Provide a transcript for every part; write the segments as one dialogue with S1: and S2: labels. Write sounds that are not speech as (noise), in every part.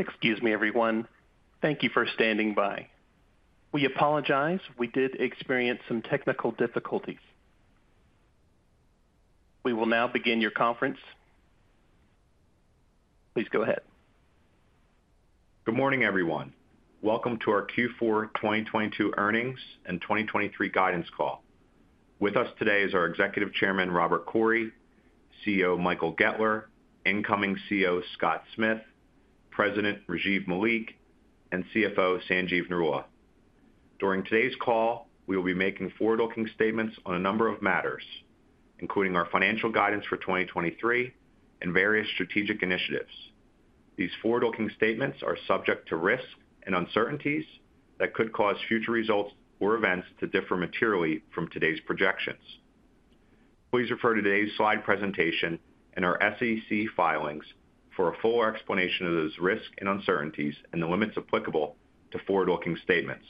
S1: Excuse me, everyone. Thank you for standing by. We apologize, we did experience some technical difficulties. We will now begin your conference. Please go ahead.
S2: Good morning, everyone. Welcome to our Q4 2022 earnings and 2023 guidance call. With us today is our Executive Chairman, Robert Coury, CEO Michael Goettler, incoming CEO Scott Smith, President Rajiv Malik, and CFO Sanjeev Narula. During today's call, we will be making forward-looking statements on a number of matters, including our financial guidance for 2023 and various strategic initiatives. These forward-looking statements are subject to risks and uncertainties that could cause future results or events to differ materially from today's projections. Please refer today's slide presentation and our SEC filings for a full explanation of those risks and uncertainties and the limits applicable to forward-looking statements.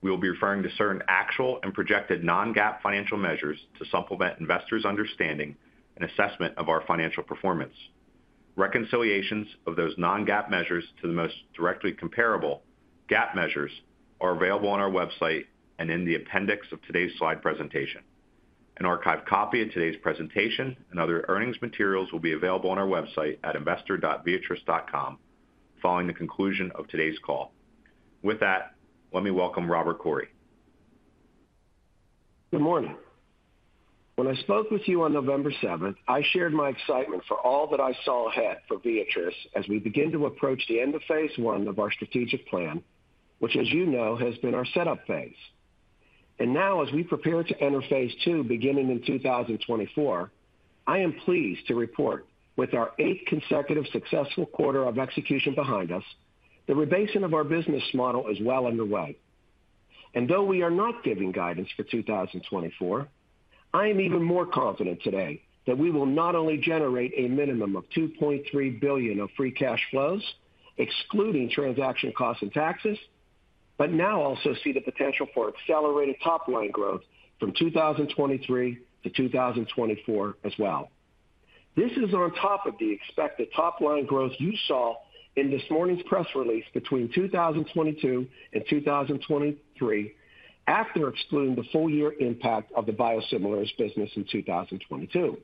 S2: We will be referring to certain actual and projected non-GAAP financial measures to supplement investors' understanding and assessment of our financial performance. Reconciliations of those non-GAAP measures to the most directly comparable GAAP measures are available on our website and in the appendix of today's slide presentation. An archived copy of today's presentation and other earnings materials will be available on our website at investor.viatris.com following the conclusion of today's call. With that, let me welcome Robert Coury.
S3: Good morning. When I spoke with you on November 7th, I shared my excitement for all that I saw ahead for Viatris as we begin to approach the end of phase one of our strategic plan, which as you know, has been our setup phase. Now as we prepare to enter phase two beginning in 2024, I am pleased to report with our 8th consecutive successful quarter of execution behind us, the rebasing of our business model is well underway. Though we are not giving guidance for 2024, I am even more confident today that we will not only generate a minimum of $2.3 billion of free cash flows, excluding transaction costs and taxes, but now also see the potential for accelerated top-line growth from 2023 to 2024 as well. This is on top of the expected top-line growth you saw in this morning's press release between 2022 and 2023 after excluding the full year impact of the biosimilars business in 2022.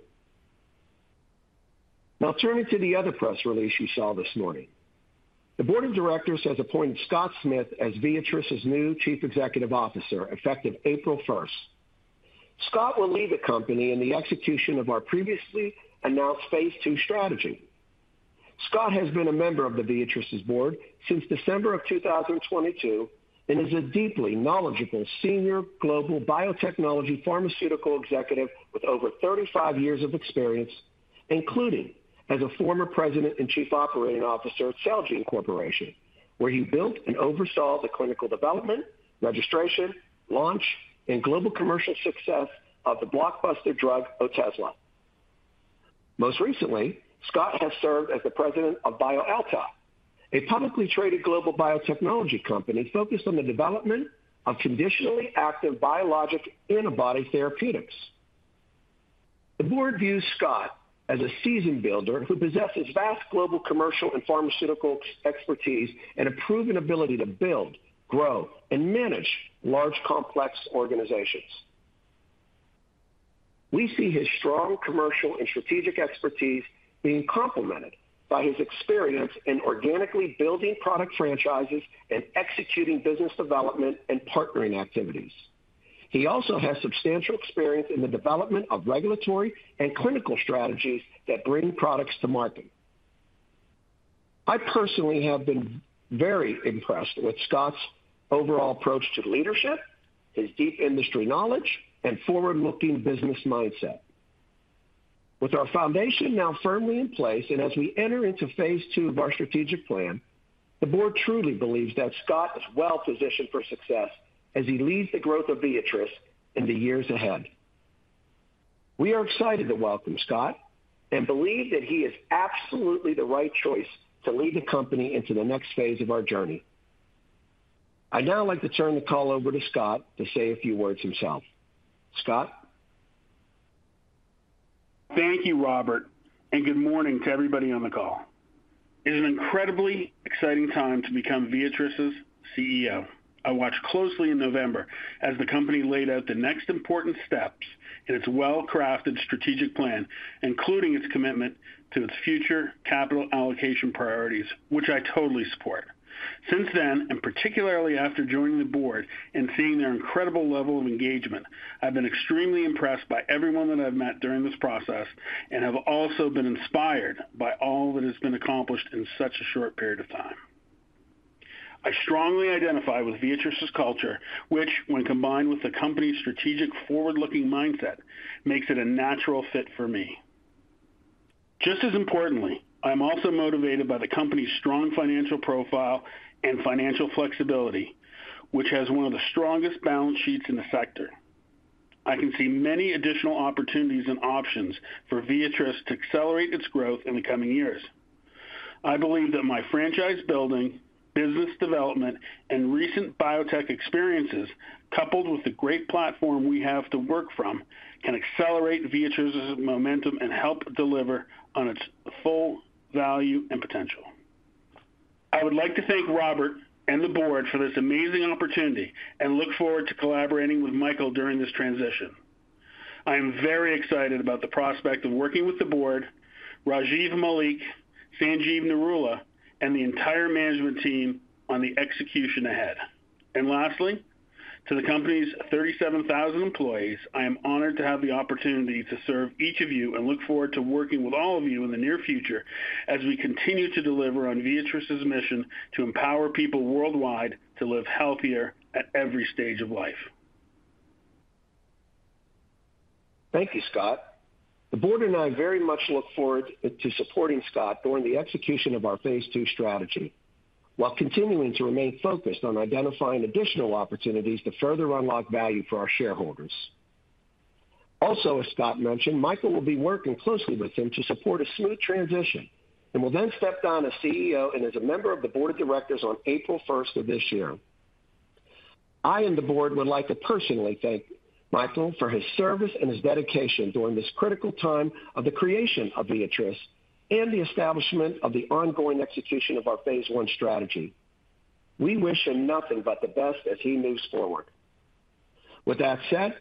S3: Turning to the other press release you saw this morning. The board of directors has appointed Scott Smith as Viatris' new Chief Executive Officer, effective April first. Scott will lead the company in the execution of our previously announced phase II strategy. Scott has been a member of the Viatris' board since December 2022 and is a deeply knowledgeable senior global biotechnology pharmaceutical executive with over 35 years of experience, including as a former president and chief operating officer at Celgene Corporation, where he built and oversaw the clinical development, registration, launch, and global commercial success of the blockbuster drug Otezla. Most recently, Scott has served as the president of BioAtla, a publicly traded global biotechnology company focused on the development of conditionally active biologic antibody therapeutics. The board views Scott as a seasoned builder who possesses vast global commercial and pharmaceutical expertise and a proven ability to build, grow, and manage large, complex organizations. We see his strong commercial and strategic expertise being complemented by his experience in organically building product franchises and executing business development and partnering activities. He also has substantial experience in the development of regulatory and clinical strategies that bring products to market. I personally have been very impressed with Scott's overall approach to leadership, his deep industry knowledge, and forward-looking business mindset. With our foundation now firmly in place and as we enter into phase two of our strategic plan, the board truly believes that Scott is well-positioned for success as he leads the growth of Viatris in the years ahead. We are excited to welcome Scott and believe that he is absolutely the right choice to lead the company into the next phase of our journey. I'd now like to turn the call over to Scott to say a few words himself. Scott?
S4: Thank you, Robert. Good morning to everybody on the call. It is an incredibly exciting time to become Viatris' CEO. I watched closely in November as the company laid out the next important steps in its well-crafted strategic plan, including its commitment to its future capital allocation priorities, which I totally support. Since then, and particularly after joining the board and seeing their incredible level of engagement, I've been extremely impressed by everyone that I've met during this process and have also been inspired by all that has been accomplished in such a short period of time. I strongly identify with Viatris' culture, which when combined with the company's strategic forward-looking mindset, makes it a natural fit for me. Just as importantly, I'm also motivated by the company's strong financial profile and financial flexibility, which has one of the strongest balance sheets in the sector. I can see many additional opportunities and options for Viatris to accelerate its growth in the coming years. I believe that my franchise building, business development and recent biotech experiences, coupled with the great platform we have to work from, can accelerate Viatris' momentum and help deliver on its full value and potential. I would like to thank Robert and the board for this amazing opportunity, and look forward to collaborating with Michael during this transition. I am very excited about the prospect of working with the board, Rajiv Malik, Sanjiv Nirula, and the entire management team on the execution ahead. Lastly, to the company's 37,000 employees, I am honored to have the opportunity to serve each of you and look forward to working with all of you in the near future as we continue to deliver on Viatris' mission to empower people worldwide to live healthier at every stage of life.
S3: Thank you, Scott. The board and I very much look forward to supporting Scott during the execution of our phase two strategy, while continuing to remain focused on identifying additional opportunities to further unlock value for our shareholders. As Scott mentioned, Michael will be working closely with him to support a smooth transition, and will then step down as CEO and as a member of the board of directors on April 1st of this year. I and the board would like to personally thank Michael for his service and his dedication during this critical time of the creation of Viatris and the establishment of the ongoing execution of our phase I strategy. We wish him nothing but the best as he moves forward. With that said,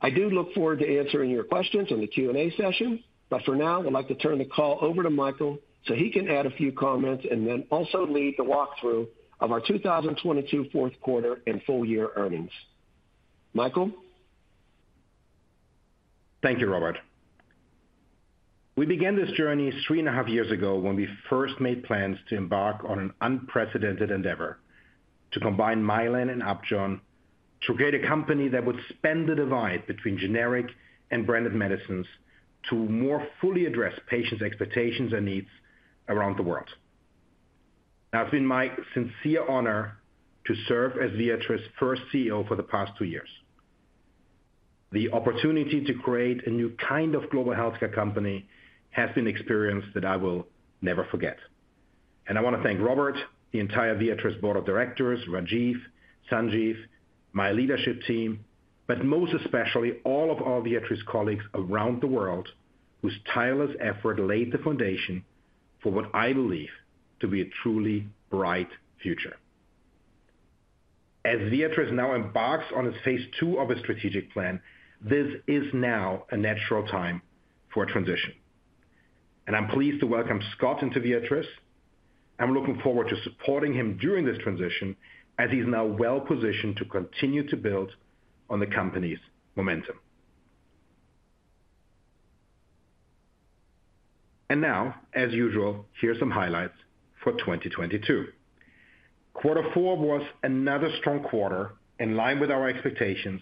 S3: I do look forward to answering your questions in the Q&A session. For now, I'd like to turn the call over to Michael so he can add a few comments and then also lead the walkthrough of our 2022 fourth quarter and full year earnings. Michael?
S5: Thank you, Robert. We began this journey three and a half years ago when we first made plans to embark on an unprecedented endeavor to combine Mylan and Upjohn to create a company that would spend the divide between generic and branded medicines to more fully address patients' expectations and needs around the world. It's been my sincere honor to serve as Viatris first CEO for the past two years. The opportunity to create a new kind of global healthcare company has been an experience that I will never forget. I want to thank Robert, the entire Viatris board of directors, Rajiv, Sanjiv, my leadership team, but most especially all of our Viatris colleagues around the world whose tireless effort laid the foundation for what I believe to be a truly bright future. As Viatris now embarks on its phase two of its strategic plan, this is now a natural time for a transition, and I'm pleased to welcome Scott into Viatris. I'm looking forward to supporting him during this transition as he's now well-positioned to continue to build on the company's momentum. As usual, here are some highlights for 2022. Quarter four was another strong quarter in line with our expectations,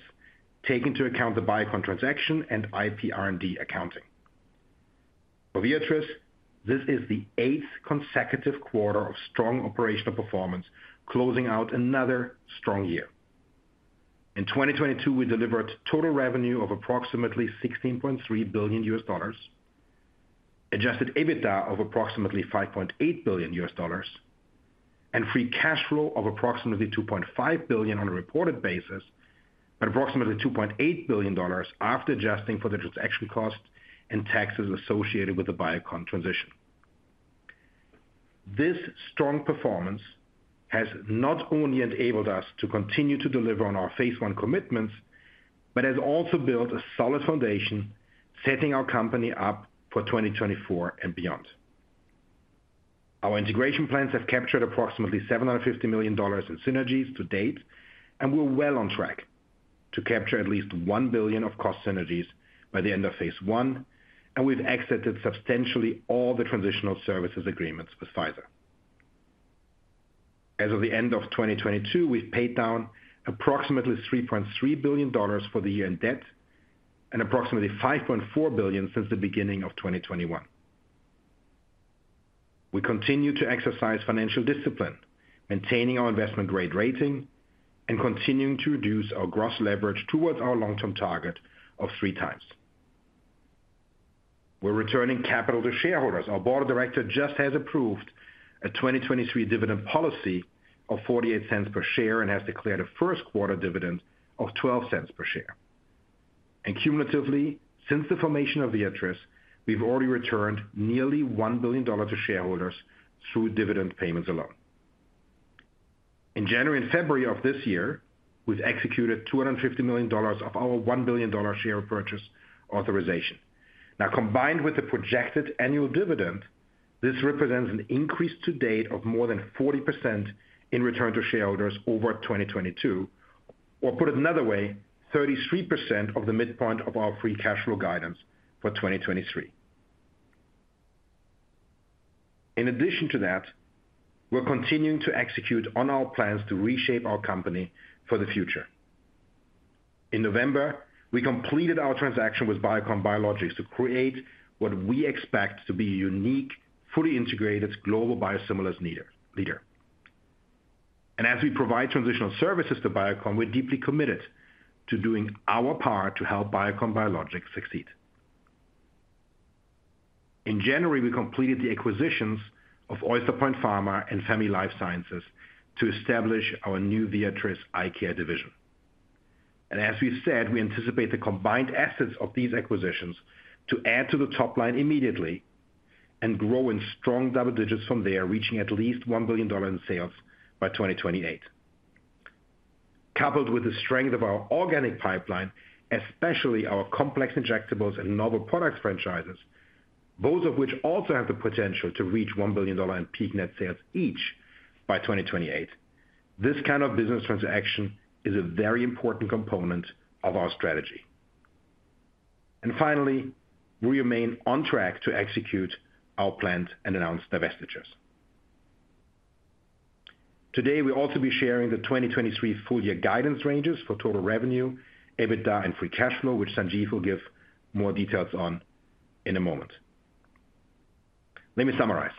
S5: take into account the Biocon transaction and IPR&D accounting. For Viatris, this is the eighth consecutive quarter of strong operational performance, closing out another strong year. In 2022, we delivered total revenue of approximately $16.3 billion, adjusted EBITDA of approximately $5.8 billion, and free cash flow of approximately $2.5 billion on a reported basis, but approximately $2.8 billion after adjusting for the transaction cost and taxes associated with the Biocon transition. This strong performance has not only enabled us to continue to deliver on our phase one commitments, but has also built a solid foundation, setting our company up for 2024 and beyond. Our integration plans have captured approximately $750 million in synergies to date, and we're well on track to capture at least $1 billion of cost synergies by the end of phase I, and we've exited substantially all the transitional services agreements with Pfizer. As of the end of 2022, we've paid down approximately $3.3 billion for the year in debt and approximately $5.4 billion since the beginning of 2021. We continue to exercise financial discipline, maintaining our investment grade rating and continuing to reduce our gross leverage towards our long-term target of 3x. We're returning capital to shareholders. Our board of directors just has approved a 2023 dividend policy of $0.48 per share and has declared a first quarter dividend of $0.12 per share. Cumulatively, since the formation of Viatris, we've already returned nearly $1 billion to shareholders through dividend payments alone. In January and February of this year, we've executed $250 million of our $1 billion share purchase authorization. Now, combined with the projected annual dividend, this represents an increase to date of more than 40% in return to shareholders over 2022, or put it another way, 33% of the midpoint of our free cash flow guidance for 2023. In addition to that, we're continuing to execute on our plans to reshape our company for the future. In November, we completed our transaction with Biocon Biologics to create what we expect to be a unique, fully integrated global biosimilars leader. As we provide transitional services to Biocon, we're deeply committed to doing our part to help Biocon Biologics succeed. In January, we completed the acquisitions of Oyster Point Pharma and Famy Life Sciences to establish our new Viatris Eye Care division. As we've said, we anticipate the combined assets of these acquisitions to add to the top line immediately and grow in strong double digits from there, reaching at least $1 billion in sales by 2028. Coupled with the strength of our organic pipeline, especially our complex injectables and novel products franchises, both of which also have the potential to reach $1 billion in peak net sales each by 2028. This kind of business transaction is a very important component of our strategy. Finally, we remain on track to execute our planned and announced divestitures. Today, we'll also be sharing the 2023 full year guidance ranges for total revenue, EBITDA, and free cash flow, which Sanjiv will give more details on in a moment. Let me summarize.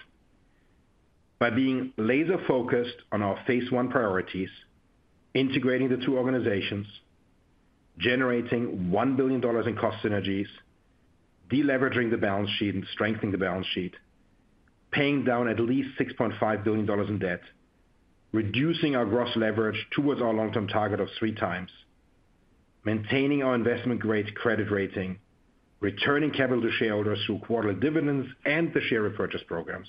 S5: By being laser-focused on our phase one priorities, integrating the two organizations, generating $1 billion in cost synergies, de-leveraging the balance sheet and strengthening the balance sheet, paying down at least $6.5 billion in debt, reducing our gross leverage towards our long-term target of 3x, maintaining our investment-grade credit rating, returning capital to shareholders through quarterly dividends and the share repurchase programs,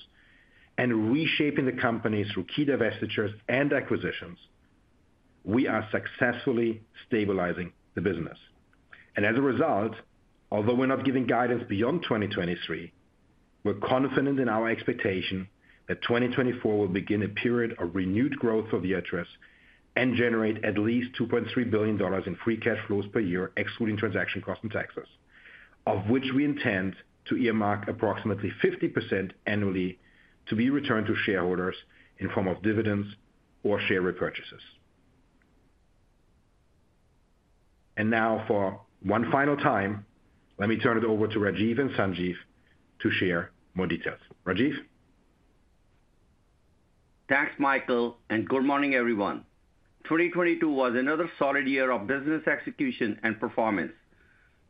S5: and reshaping the company through key divestitures and acquisitions, we are successfully stabilizing the business. As a result, although we're not giving guidance beyond 2023, we're confident in our expectation that 2024 will begin a period of renewed growth for Viatris and generate at least $2.3 billion in free cash flows per year, excluding transaction costs and taxes. Of which we intend to earmark approximately 50% annually to be returned to shareholders in form of dividends or share repurchases. Now for one final time, let me turn it over to Rajiv and Sanjiv to share more details. Rajiv?
S6: Thanks, Michael. Good morning, everyone. 2022 was another solid year of business execution and performance.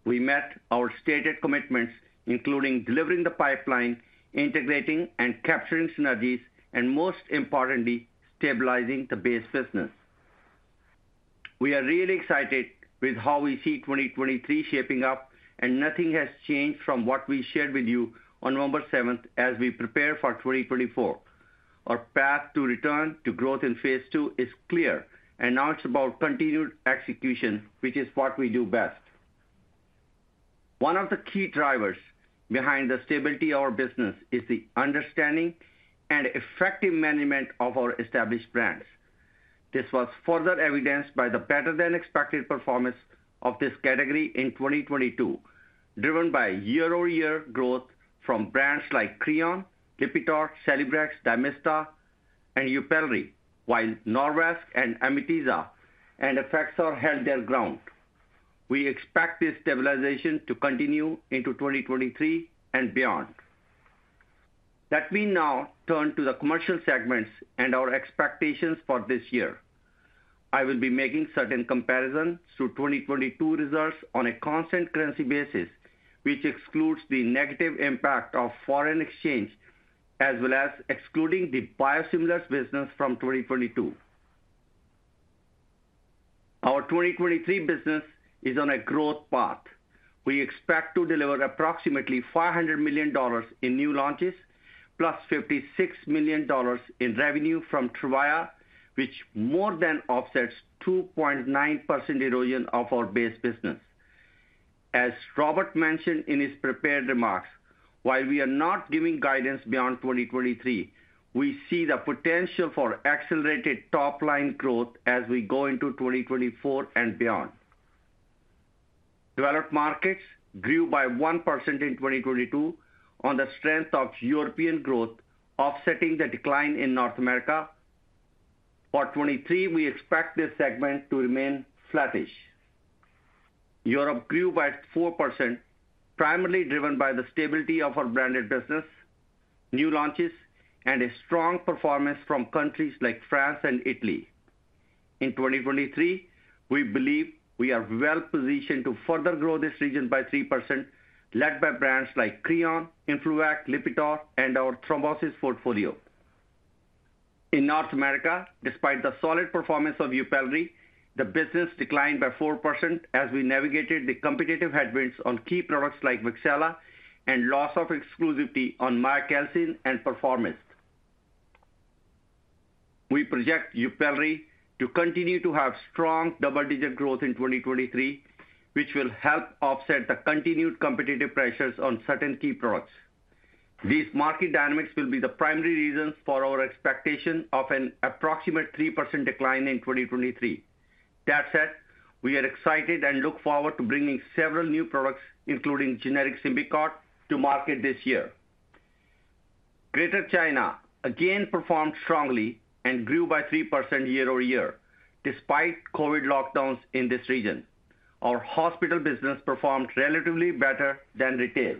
S6: We met our stated commitments, including delivering the pipeline, integrating and capturing synergies, and most importantly, stabilizing the base business. We are really excited with how we see 2023 shaping up. Nothing has changed from what we shared with you on November 7th as we prepare for 2024. Our path to return to growth in phase II is clear. Now it's about continued execution, which is what we do best. One of the key drivers behind the stability of our business is the understanding and effective management of our established brands. This was further evidenced by the better-than-expected performance of this category in 2022, driven by year-over-year growth from brands like Creon, Lipitor, Celebrex, Dymista, and Yupelri, while Norvasc and Amitiza and Effexor held their ground. We expect this stabilization to continue into 2023 and beyond. Let me now turn to the commercial segments and our expectations for this year. I will be making certain comparisons to 2022 results on a constant currency basis, which excludes the negative impact of foreign exchange, as well as excluding the biosimilars business from 2022. Our 2023 business is on a growth path. We expect to deliver approximately $500 million in new launches, plus $56 million in revenue from Tyrvaya, which more than offsets 2.9% erosion of our base business. As Robert mentioned in his prepared remarks, while we are not giving guidance beyond 2023, we see the potential for accelerated top-line growth as we go into 2024 and beyond. Developed markets grew by 1% in 2022 on the strength of European growth offsetting the decline in North America. For 2023, we expect this segment to remain flattish. Europe grew by 4%, primarily driven by the stability of our branded business, new launches, and a strong performance from countries like France and Italy. In 2023, we believe we are well-positioned to further grow this region by 3%, led by brands like Creon, Influvac, Lipitor, and our thrombosis portfolio. In North America, despite the solid performance of Yupelri, the business declined by 4% as we navigated the competitive headwinds on key products like Vaxelis and loss of exclusivity on Miacalcin and Perforomist. We project Yupelri to continue to have strong double-digit growth in 2023, which will help offset the continued competitive pressures on certain key products. These market dynamics will be the primary reasons for our expectation of an approximate 3% decline in 2023. That said, we are excited and look forward to bringing several new products, including generic Symbicort, to market this year. Greater China again performed strongly and grew by 3% year-over-year, despite COVID lockdowns in this region. Our hospital business performed relatively better than retail.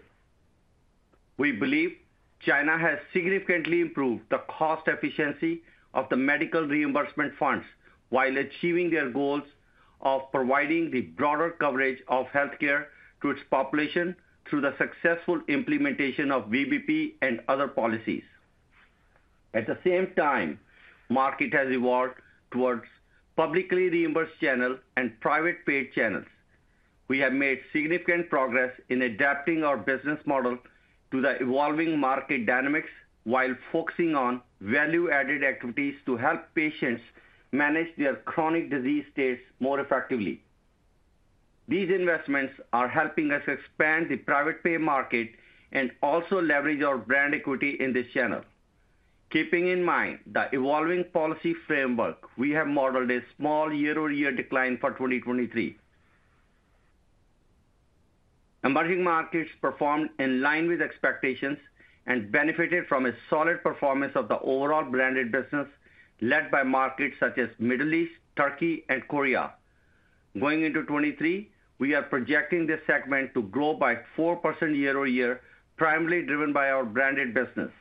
S6: We believe China has significantly improved the cost efficiency of the medical reimbursement funds while achieving their goals-Of providing the broader coverage of healthcare to its population through the successful implementation of VBP and other policies. At the same time, market has evolved towards publicly reimbursed channels and private paid channels. We have made significant progress in adapting our business model to the evolving market dynamics while focusing on value-added activities to help patients manage their chronic disease states more effectively. These investments are helping us expand the private pay market and also leverage our brand equity in this channel. Keeping in mind the evolving policy framework, we have modeled a small year-over-year decline for 2023. Emerging markets performed in line with expectations and benefited from a solid performance of the overall branded business led by markets such as Middle East, Turkey and Korea. Going into 2023, we are projecting this segment to grow by 4% year-over-year, primarily driven by our branded business.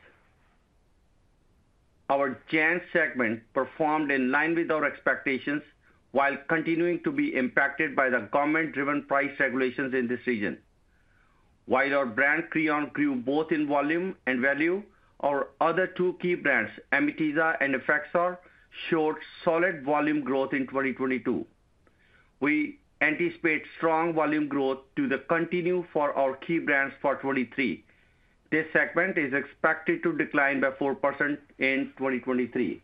S6: Our gen segment performed in line with our expectations while continuing to be impacted by the government-driven price regulations in this region. While our brand Creon grew both in volume and value, our other two key brands, Amitiza and Effexor, showed solid volume growth in 2022. We anticipate strong volume growth to the continue for our key brands for 2023. This segment is expected to decline by 4% in 2023.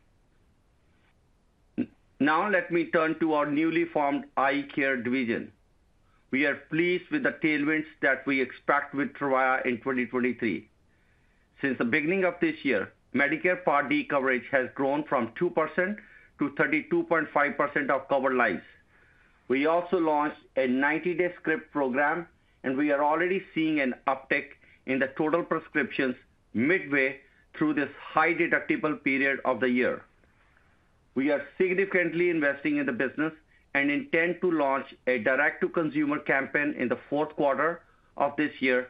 S6: Now let me turn to our newly formed Eye Care division. We are pleased with the tailwinds that we expect with Tyrvaya in 2023. Since the beginning of this year, Medicare Part D coverage has grown from 2%-32.5% of covered lives. We also launched a 90-day script program, and we are already seeing an uptick in the total prescriptions midway through this high deductible period of the year. We are significantly investing in the business and intend to launch a direct-to-consumer campaign in the fourth quarter of this year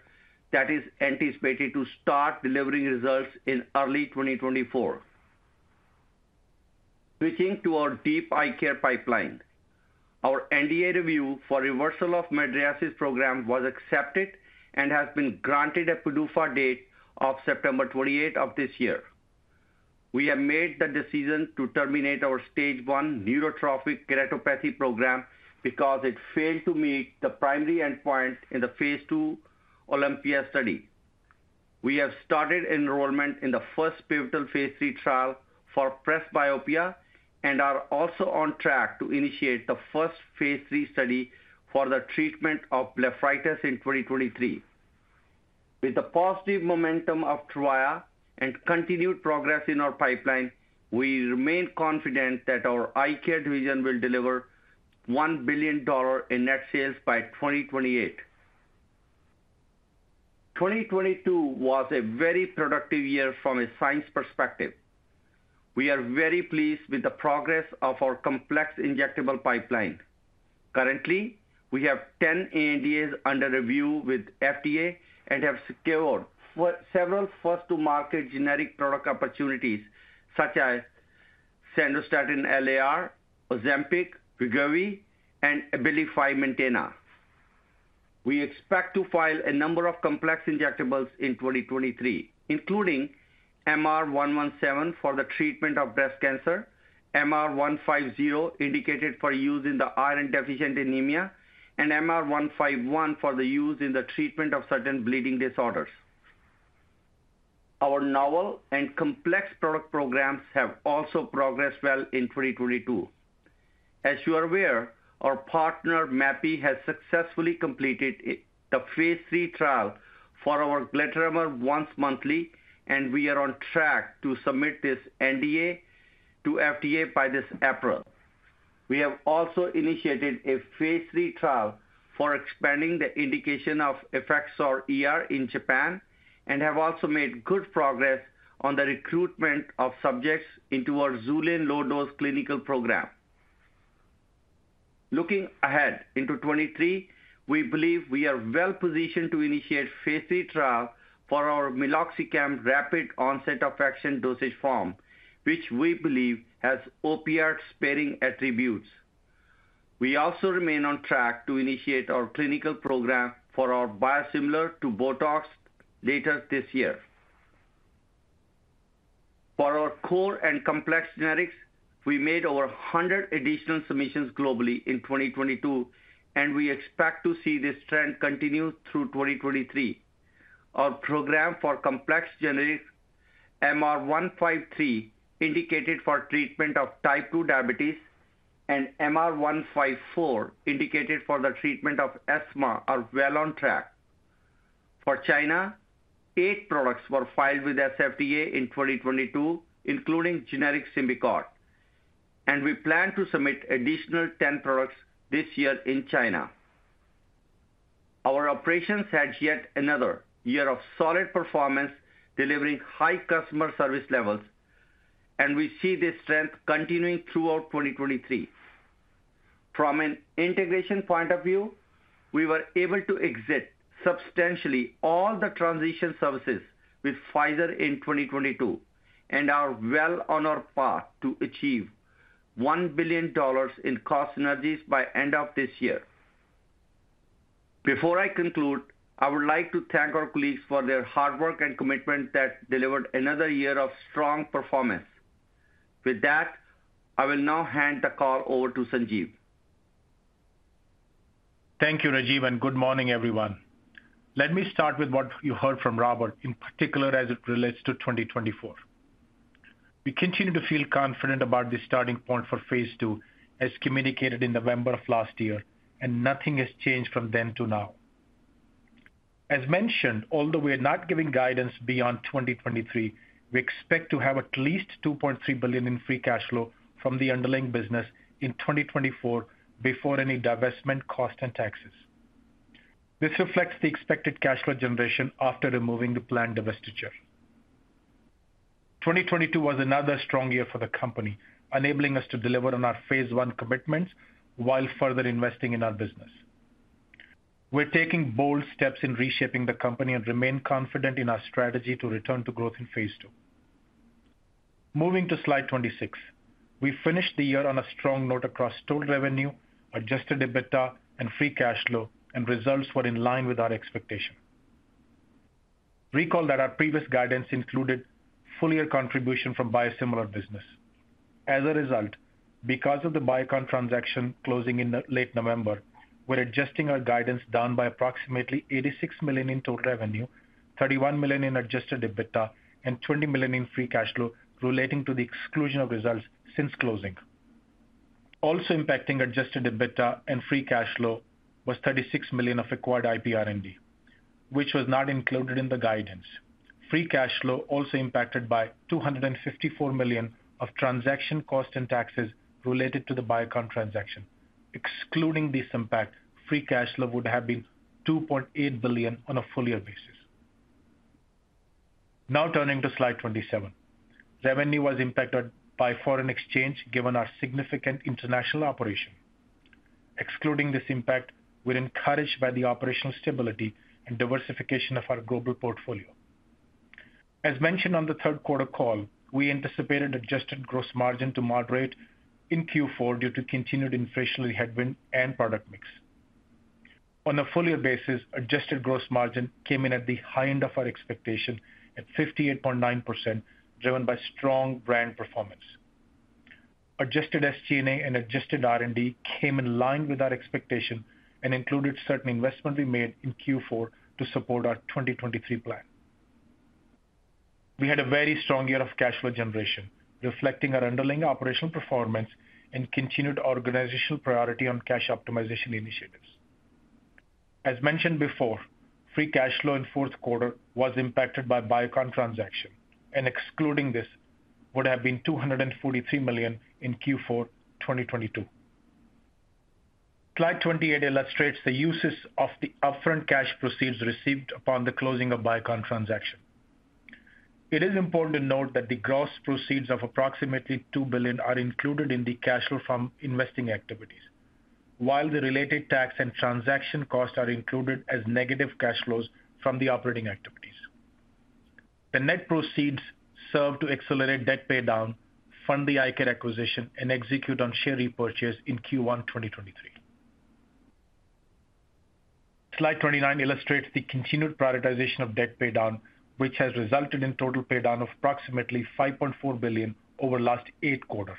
S6: that is anticipated to start delivering results in early 2024. Switching to our deep Eye Care pipeline. Our NDA review for reversal of mydriasis program was accepted and has been granted a PDUFA date of September 28 of this year. We have made the decision to terminate our stage one neurotrophic keratopathy program because it failed to meet the primary endpoint in the phase II OlympiA study. We have started enrollment in the first pivotal phase III trial for presbyopia and are also on track to initiate the first phase III study for the treatment of blepharitis in 2023. With the positive momentum of Tyrvaya and continued progress in our pipeline, we remain confident that our Eye Care division will deliver $1 billion in net sales by 2028. 2022 was a very productive year from a science perspective. We are very pleased with the progress of our complex injectable pipeline. Currently, we have 10 ANDAs under review with FDA and have secured several first-to-market generic product opportunities such as Rosuvastatin LAR, Ozempic, Wegovy and Abilify Maintena. We expect to file a number of complex injectables in 2023, including MR-117 for the treatment of breast cancer, MR-150 indicated for use in the iron deficiency anemia, and MR-151 for the use in the treatment of certain bleeding disorders. Our novel and complex product programs have also progressed well in 2022. As you are aware, our partner Mapi has successfully completed the phase 3 trial for our GA Depot once monthly, and we are on track to submit this NDA to FDA by this April. We have also initiated a phase III trial for expanding the indication of Effexor ER in Japan and have also made good progress on the recruitment of subjects into our XULANE low dose clinical program. Looking ahead into 2023, we believe we are well positioned to initiate phase III trial for our meloxicam rapid onset of action dosage form, which we believe has opioid-sparing attributes. We also remain on track to initiate our clinical program for our biosimilar to Botox later this year. For our core and complex generics, we made over 100 additional submissions globally in 2022. We expect to see this trend continue through 2023. Our program for complex generics, MR-153, indicated for treatment of type 2 diabetes and MR-154 indicated for the treatment of asthma are well on track. For China, eight products were filed with SFDA in 2022, including generic Symbicort. We plan to submit additional 10 products this year in China. Our operations had yet another year of solid performance, delivering high customer service levels, and we see this trend continuing throughout 2023. From an integration point of view, we were able to exit substantially all the transition services with Pfizer in 2022, and are well on our path to achieve $1 billion in cost synergies by end of this year. Before I conclude, I would like to thank our colleagues for their hard work and commitment that delivered another year of strong performance. With that, I will now hand the call over to Sanjiv.
S7: Thank you, Rajiv, and good morning, everyone. Let me start with what you heard from Robert, in particular as it relates to 2024. We continue to feel confident about the starting point for Phase II, as communicated in November of last year, and nothing has changed from then to now. As mentioned, although we are not giving guidance beyond 2023, we expect to have at least $2.3 billion in free cash flow from the underlying business in 2024 before any divestment costs and taxes. This reflects the expected cash flow generation after removing the planned divestiture. 2022 was another strong year for the company, enabling us to deliver on our phase I commitments while further investing in our business. We're taking bold steps in reshaping the company and remain confident in our strategy to return to growth in phase II. Moving to slide 26. We finished the year on a strong note across total revenue, adjusted EBITDA, and free cash flow. Results were in line with our expectation. Recall that our previous guidance included full year contribution from biosimilar business. As a result, because of the Biocon transaction closing in late November, we're adjusting our guidance down by approximately $86 million in total revenue, $31 million in adjusted EBITDA, and $20 million in free cash flow relating to the exclusion of results since closing. Also impacting adjusted EBITDA and free cash flow was $36 million of acquired IP R&D, which was not included in the guidance. Free cash flow also impacted by $254 million of transaction costs and taxes related to the Biocon transaction. Excluding this impact, free cash flow would have been $2.8 billion on a full year basis. Now turning to slide 27. Revenue was impacted by foreign exchange given our significant international operation. Excluding this impact, we're encouraged by the operational stability and diversification of our global portfolio. As mentioned on the third quarter call, we anticipated adjusted gross margin to moderate in Q4 due to continued inflationary headwind and product mix. On a full year basis, adjusted gross margin came in at the high end of our expectation at 58.9%, driven by strong brand performance. Adjusted SG&A and adjusted R&D came in line with our expectation and included certain investments we made in Q4 to support our 2023 plan. We had a very strong year of cash flow generation, reflecting our underlying operational performance and continued organizational priority on cash optimization initiatives. Mentioned before, free cash flow in fourth quarter was impacted by Biocon transaction. Excluding this would have been $243 million in Q4 2022. Slide 28 illustrates the uses of the upfront cash proceeds received upon the closing of Biocon transaction. It is important to note that the gross proceeds of approximately $2 billion are included in the cash flow from investing activities, while the related tax and transaction costs are included as negative cash flows from the operating activities. The net proceeds serve to accelerate debt paydown, fund the iCAD acquisition, and execute on share repurchase in Q1 2023. Slide 29 illustrates the continued prioritization of debt paydown, which has resulted in total paydown of approximately $5.4 billion over last 8 quarters.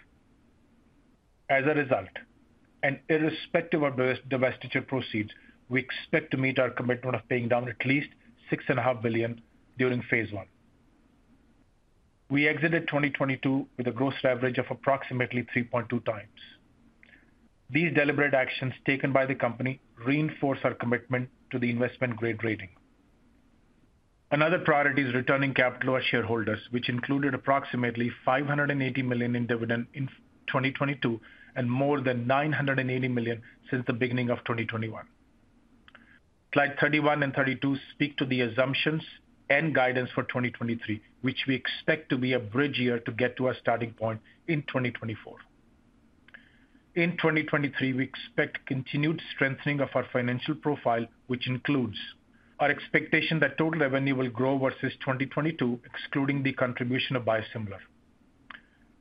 S7: As a result, irrespective of divestiture proceeds, we expect to meet our commitment of paying down at least six and a half billion during phase one. We exited 2022 with a gross leverage of approximately 3.2 times. These deliberate actions taken by the company reinforce our commitment to the investment grade rating. Another priority is returning capital to our shareholders, which included approximately $580 million in dividend in 2022 and more than $980 million since the beginning of 2021. Slide 31 and 32 speak to the assumptions and guidance for 2023, which we expect to be a bridge year to get to our starting point in 2024. In 2023, we expect continued strengthening of our financial profile, which includes our expectation that total revenue will grow versus 2022, excluding the contribution of biosimilar,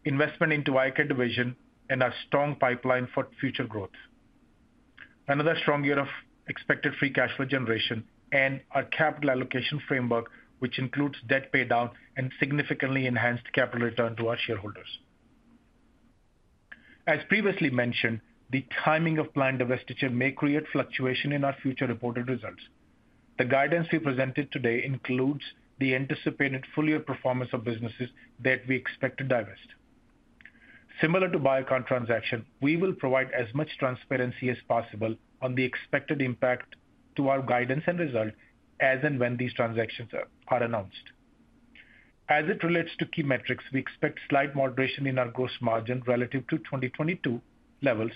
S7: investment into Eye Care division and our strong pipeline for future growth. Another strong year of expected free cash flow generation and our capital allocation framework, which includes debt paydown and significantly enhanced capital return to our shareholders. As previously mentioned, the timing of planned divestiture may create fluctuation in our future reported results. The guidance we presented today includes the anticipated full year performance of businesses that we expect to divest. Similar to Biocon transaction, we will provide as much transparency as possible on the expected impact to our guidance and results as and when these transactions are announced. As it relates to key metrics, we expect slight moderation in our gross margin relative to 2022 levels.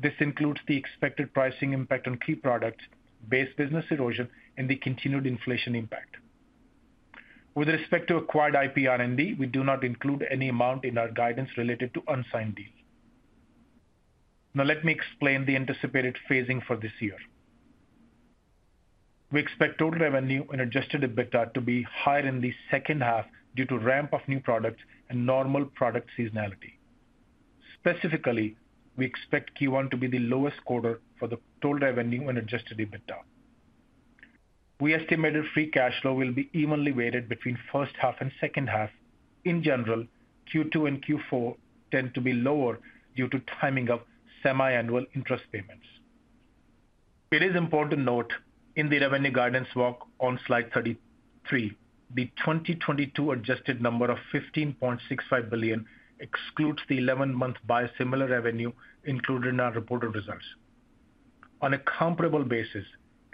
S7: This includes the expected pricing impact on key products, base business erosion, and the continued inflation impact. With respect to acquired IP R&D, we do not include any amount in our guidance related to unsigned deals. Let me explain the anticipated phasing for this year. We expect total revenue and adjusted EBITDA to be higher in the second half due to ramp of new products and normal product seasonality. Specifically, we expect Q1 to be the lowest quarter for the total revenue and adjusted EBITDA. We estimated free cash flow will be evenly weighted between first half and second half. In general, Q2 and Q4 tend to be lower due to timing of semi-annual interest payments. It is important to note in the revenue guidance walk on slide 33, the 2022 adjusted number of $15.65 billion excludes the 11-month biosimilar revenue included in our reported results. On a comparable basis,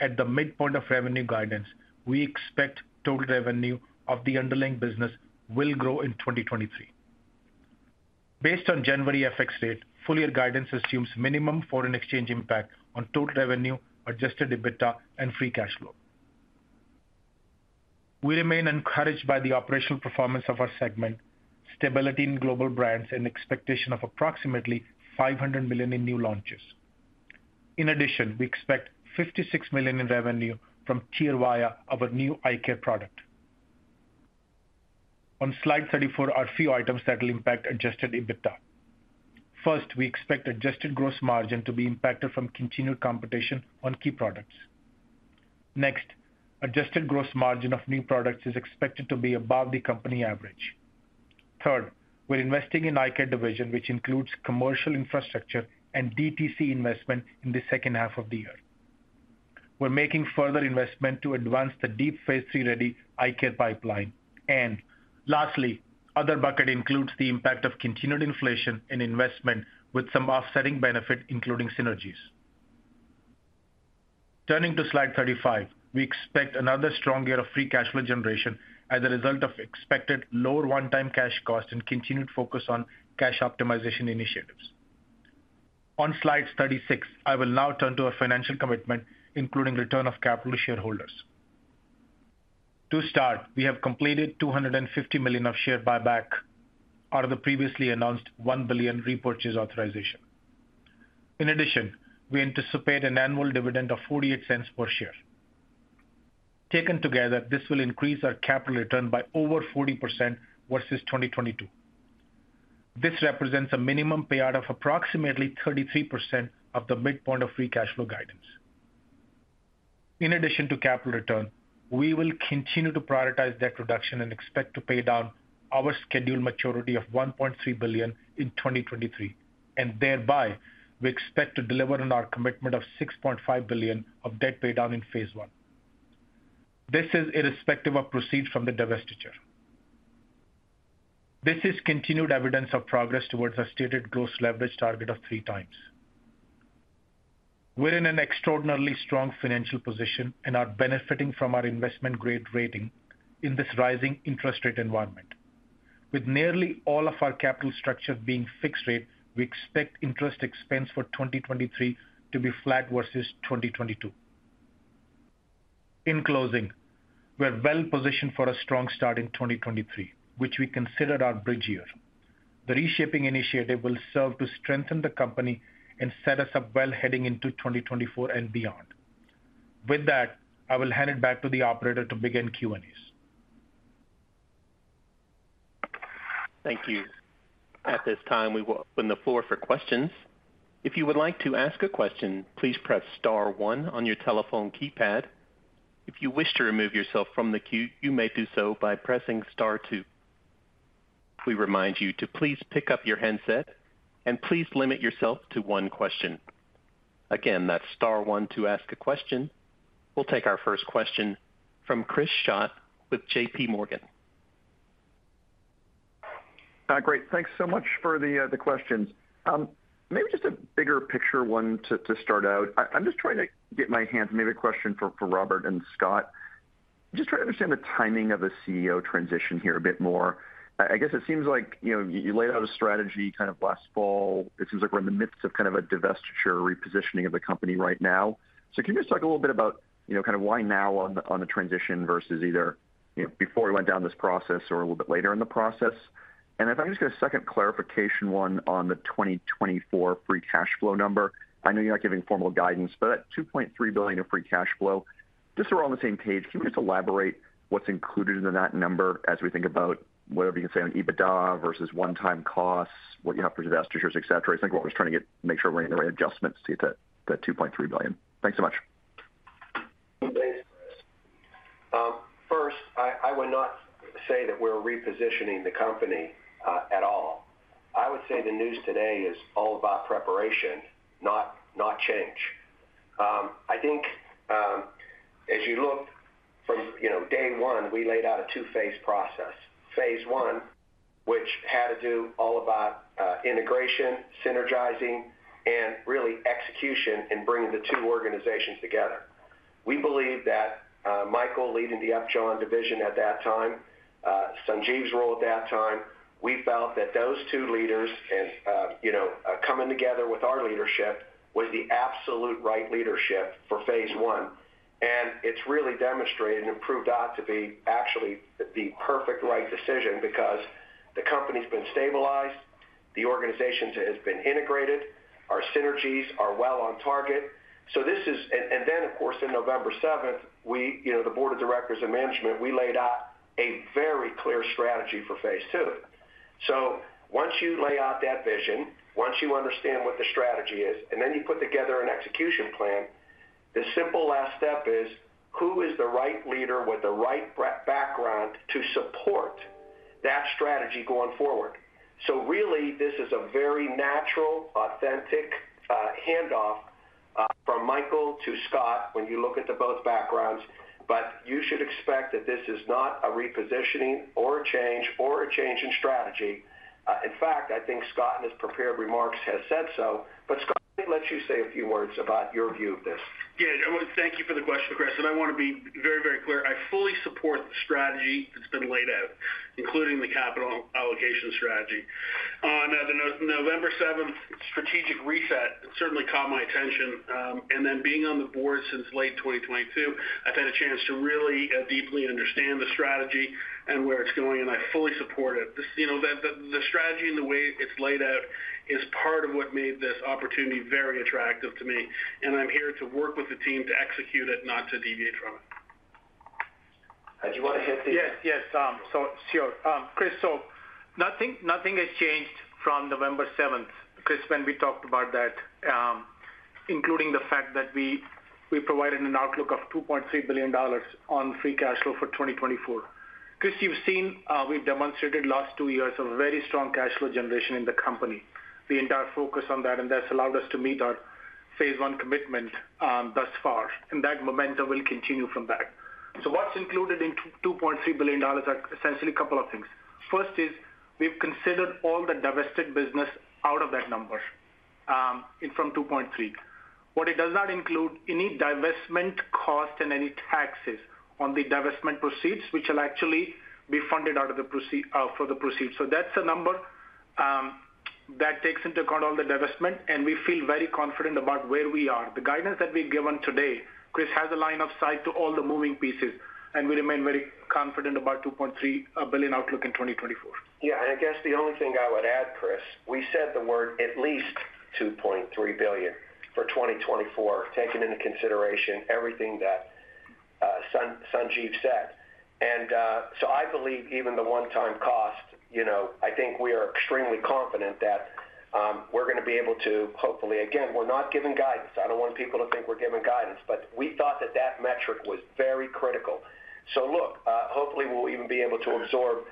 S7: at the midpoint of revenue guidance, we expect total revenue of the underlying business will grow in 2023. Based on January FX rate, full year guidance assumes minimum foreign exchange impact on total revenue, adjusted EBITDA and free cash flow. We remain encouraged by the operational performance of our segment, stability in global brands and expectation of approximately $500 million in new launches. In addition, we expect $56 million in revenue from Tyrvaya, our new eye care product. On slide 34 are a few items that will impact adjusted EBITDA. First, we expect adjusted gross margin to be impacted from continued competition on key products. Next, adjusted gross margin of new products is expected to be above the company average. Third, we're investing in Eye Care division, which includes commercial infrastructure and DTC investment in the second half of the year. We're making further investment to advance the deep phase 3-ready Eye Care pipeline. Lastly, other bucket includes the impact of continued inflation and investment with some offsetting benefit, including synergies. Turning to slide 35, we expect another strong year of free cash flow generation as a result of expected lower one-time cash cost and continued focus on cash optimization initiatives. On slide 36, I will now turn to our financial commitment, including return of capital to shareholders. To start, we have completed $250 million of share buyback out of the previously announced $1 billion repurchase authorization. In addition, we anticipate an annual dividend of $0.48 per share. Taken together, this will increase our capital return by over 40% versus 2022. This represents a minimum payout of approximately 33% of the midpoint of free cash flow guidance. In addition to capital return, we will continue to prioritize debt reduction and expect to pay down our scheduled maturity of $1.3 billion in 2023, and thereby we expect to deliver on our commitment of $6.5 billion of debt pay down in phase one. This is irrespective of proceeds from the divestiture. This is continued evidence of progress towards our stated gross leverage target of 3 times. We're in an extraordinarily strong financial position and are benefiting from our investment grade rating in this rising interest rate environment. With nearly all of our capital structure being fixed rate, we expect interest expense for 2023 to be flat versus 2022. In closing, we're well positioned for a strong start in 2023, which we consider our bridge year. The reshaping initiative will serve to strengthen the company and set us up well heading into 2024 and beyond. With that, I will hand it back to the operator to begin Q&As.
S1: Thank you. At this time, we will open the floor for questions. If you would like to ask a question, please press star one on your telephone keypad. If you wish to remove yourself from the queue, you may do so by pressing star two. We remind you to please pick up your handset and please limit yourself to 1 question. Again, that's star one to ask a question. We'll take our first question from Chris Schott with JPMorgan.
S8: Great. Thanks so much for the questions. Maybe just a bigger picture one to start out. Maybe a question for Robert and Scott. Just trying to understand the timing of the CEO transition here a bit more. I guess it seems like, you know, you laid out a strategy kind of last fall. It seems like we're in the midst of kind of a divestiture repositioning of the company right now. Can you just talk a little bit about, you know, kind of why now on the transition versus either, you know, before we went down this process or a little bit later in the process? If I can just get a second clarification one on the 2024 free cash flow number. I know you're not giving formal guidance, at $2.3 billion of free cash flow, just so we're on the same page, can you just elaborate what's included in that number as we think about whatever you can say on EBITDA versus one-time costs, what you have for divestitures, etc? I think what we're just trying to make sure we're in the right adjustments to get to the $2.3 billion. Thanks so much.
S3: Thanks, Chris. First, I would not say that we're repositioning the company at all. I would say the news today is all about preparation, not change. I think, as you look from, you know, day one, we laid out a two-phase process. Phase I, which had to do all about integration, synergizing, and really execution and bringing the two organizations together. We believe that Michael Goettler leading the Upjohn division at that time Sanjeev Narula's role at that time. We felt that those two leaders and, you know, coming together with our leadership was the absolute right leadership for phase I. It's really demonstrated and proved out to be actually the perfect right decision because the company's been stabilized, the organization has been integrated, our synergies are well on target. Of course, in November 7th, we, you know, the board of directors and management laid out a very clear strategy for phase II. Once you lay out that vision, once you understand what the strategy is, then you put together an execution plan, the simple last step is who is the right leader with the right background to support that strategy going forward. Really, this is a very natural, authentic handoff from Michael to Scott when you look at the both backgrounds. You should expect that this is not a repositioning or a change in strategy. In fact, I think Scott in his prepared remarks has said so. Scott, let me let you say a few words about your view of this.
S4: Yeah, I want to thank you for the question, Chris. I wanna be very, very clear. I fully support the strategy that's been laid out, including the capital allocation strategy. On the November 7th strategic reset certainly caught my attention, and then being on the board since late 2022, I've had a chance to really deeply understand the strategy and where it's going, and I fully support it. This, you know, the strategy and the way it's laid out is part of what made this opportunity very attractive to me. I'm here to work with the team to execute it, not to deviate from it.
S3: Do you wanna hit this?
S7: Yes, sure. Chris, nothing has changed from November 7th, Chris, when we talked about that, including the fact that we provided an outlook of $2.3 billion on free cash flow for 2024. Chris, you've seen, we've demonstrated last two years a very strong cash flow generation in the company. We entire focus on that, and that's allowed us to meet our phase I commitment thus far, and that momentum will continue from there. What's included in $2.3 billion are essentially a couple of things. First is we've considered all the divested business out of that number, in from $2.3. What it does not include any divestment cost and any taxes on the divestment proceeds, which will actually be funded out of the for the proceeds. That's a number that takes into account all the divestment, and we feel very confident about where we are. The guidance that we've given today, Chris, has a line of sight to all the moving pieces, and we remain very confident about $2.3 billion outlook in 2024.
S3: Yeah. I guess the only thing I would add, Chris, we said the word at least $2.3 billion for 2024, taking into consideration everything that Sanjeev said. I believe even the one-time cost, you know, I think we are extremely confident that we're gonna be able to hopefully. Again, we're not giving guidance. I don't want people to think we're giving guidance, but we thought that that metric was very critical. Look, hopefully, we'll even be able to absorb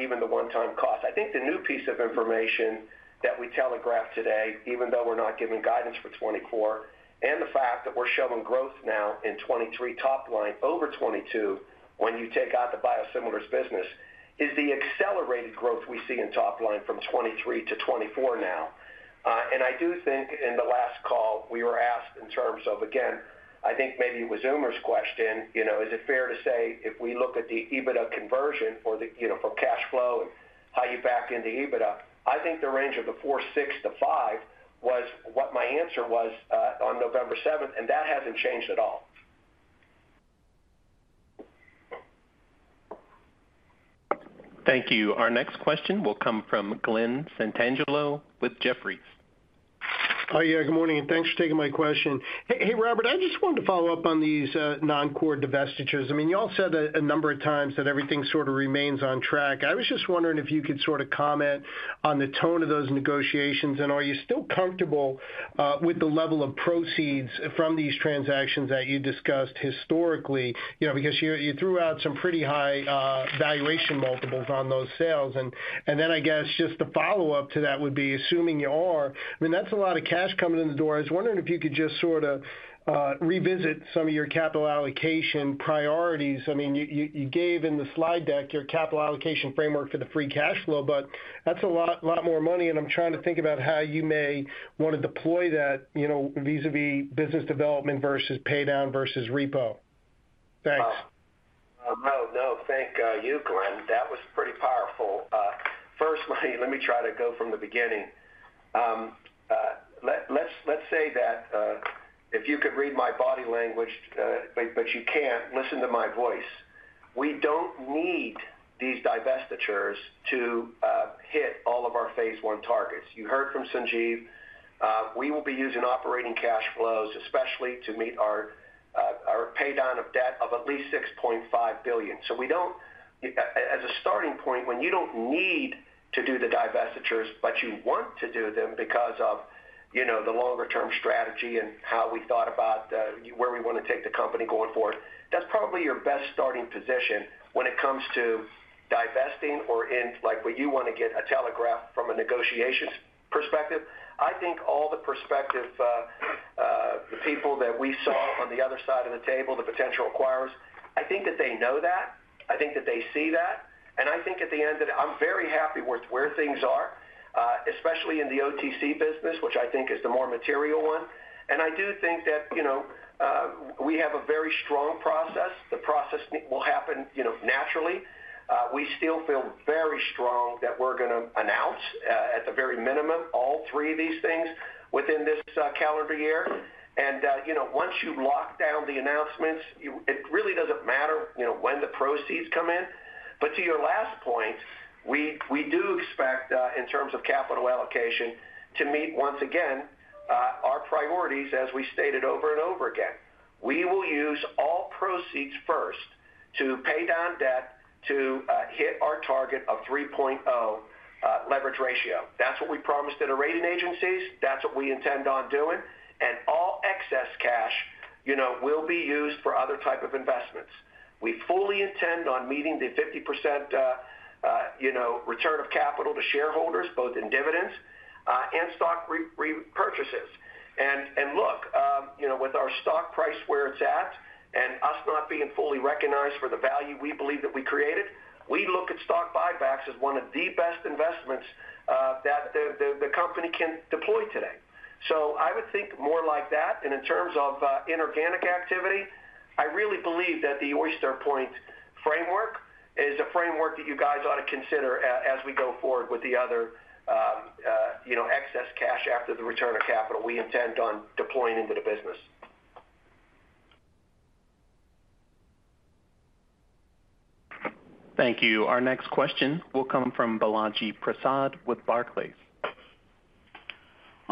S3: even the one-time cost. I think the new piece of information that we telegraphed today, even though we're not giving guidance for 2024, and the fact that we're showing growth now in 2023 top line over 2022 when you take out the biosimilars business, is the accelerated growth we see in top line from 2023 to 2024 now. I do think in the last call, we were asked in terms of, again, I think maybe it was Umer question, you know, is it fair to say if we look at the EBITDA conversion for the, you know, for cash flow and how you back into EBITDA? I think the range of the 4.6-5 was what my answer was on November 7th, that hasn't changed at all.
S1: Thank you. Our next question will come from Glen Santangelo with Jefferies.
S9: Hi. Yeah, good morning, thanks for taking my question. Hey, Robert, I just wanted to follow up on these non-core divestitures. I mean, y'all said a number of times that everything sort of remains on track. I was just wondering if you could sort of comment on the tone of those negotiations, and are you still comfortable with the level of proceeds from these transactions that you discussed historically? You know, because you threw out some pretty high valuation multiples on those sales. I guess just the follow-up to that would be assuming you are, I mean, that's a lot of cash coming in the door. I was wondering if you could just sort of revisit some of your capital allocation priorities. I mean, you gave in the slide deck your capital allocation framework for the free cash flow, but that's a lot more money, and I'm trying to think about how you may wanna deploy that, you know, vis-à-vis business development versus paydown versus repo. Thanks.
S3: No, thank you, Glen. That was pretty powerful. First, let me try to go from the beginning. Let's say that if you could read my body language, but you can't listen to my voice. We don't need these divestitures to hit all of our phase I targets. You heard from Sanjeev. We will be using operating cash flows, especially to meet our paydown of debt of at least $6.5 billion. As a starting point, when you don't need to do the divestitures, but you want to do them because of, you know, the longer-term strategy and how we thought about where we wanna take the company going forward, that's probably your best starting position when it comes to divesting or in, like, what you wanna get a telegraph from a negotiations perspective. I think all the perspective, the people that we saw on the other side of the table, the potential acquirers, I think that they know that. I think that they see that. I think at the end of the day, I'm very happy with where things are, especially in the OTC business, which I think is the more material one. I do think that, you know, we have a very strong process. The process will happen, you know, naturally. We still feel very strong that we're gonna announce, at the very minimum, all three of these things within this calendar year. You know, once you lock down the announcements, it really doesn't matter, you know, when the proceeds come in. To your last point, we do expect in terms of capital allocation to meet once again, our priorities as we stated over and over again. We will use all proceeds first to pay down debt to hit our target of 3.0 leverage ratio. That's what we promised to the rating agencies. That's what we intend on doing. All excess cash, you know, will be used for other type of investments. We fully intend on meeting the 50%, you know, return of capital to shareholders, both in dividends and stock repurchases. Look, you know, with our stock price where it's at and us not being fully recognized for the value we believe that we created, we look at stock buybacks as one of the best investments that the company can deploy today. I would think more like that. In terms of inorganic activity, I really believe that the Oyster Point framework is a framework that you guys ought to consider as we go forward with the other, you know, excess cash after the return of capital we intend on deploying into the business.
S1: Thank you. Our next question will come from Balaji Prasad with Barclays.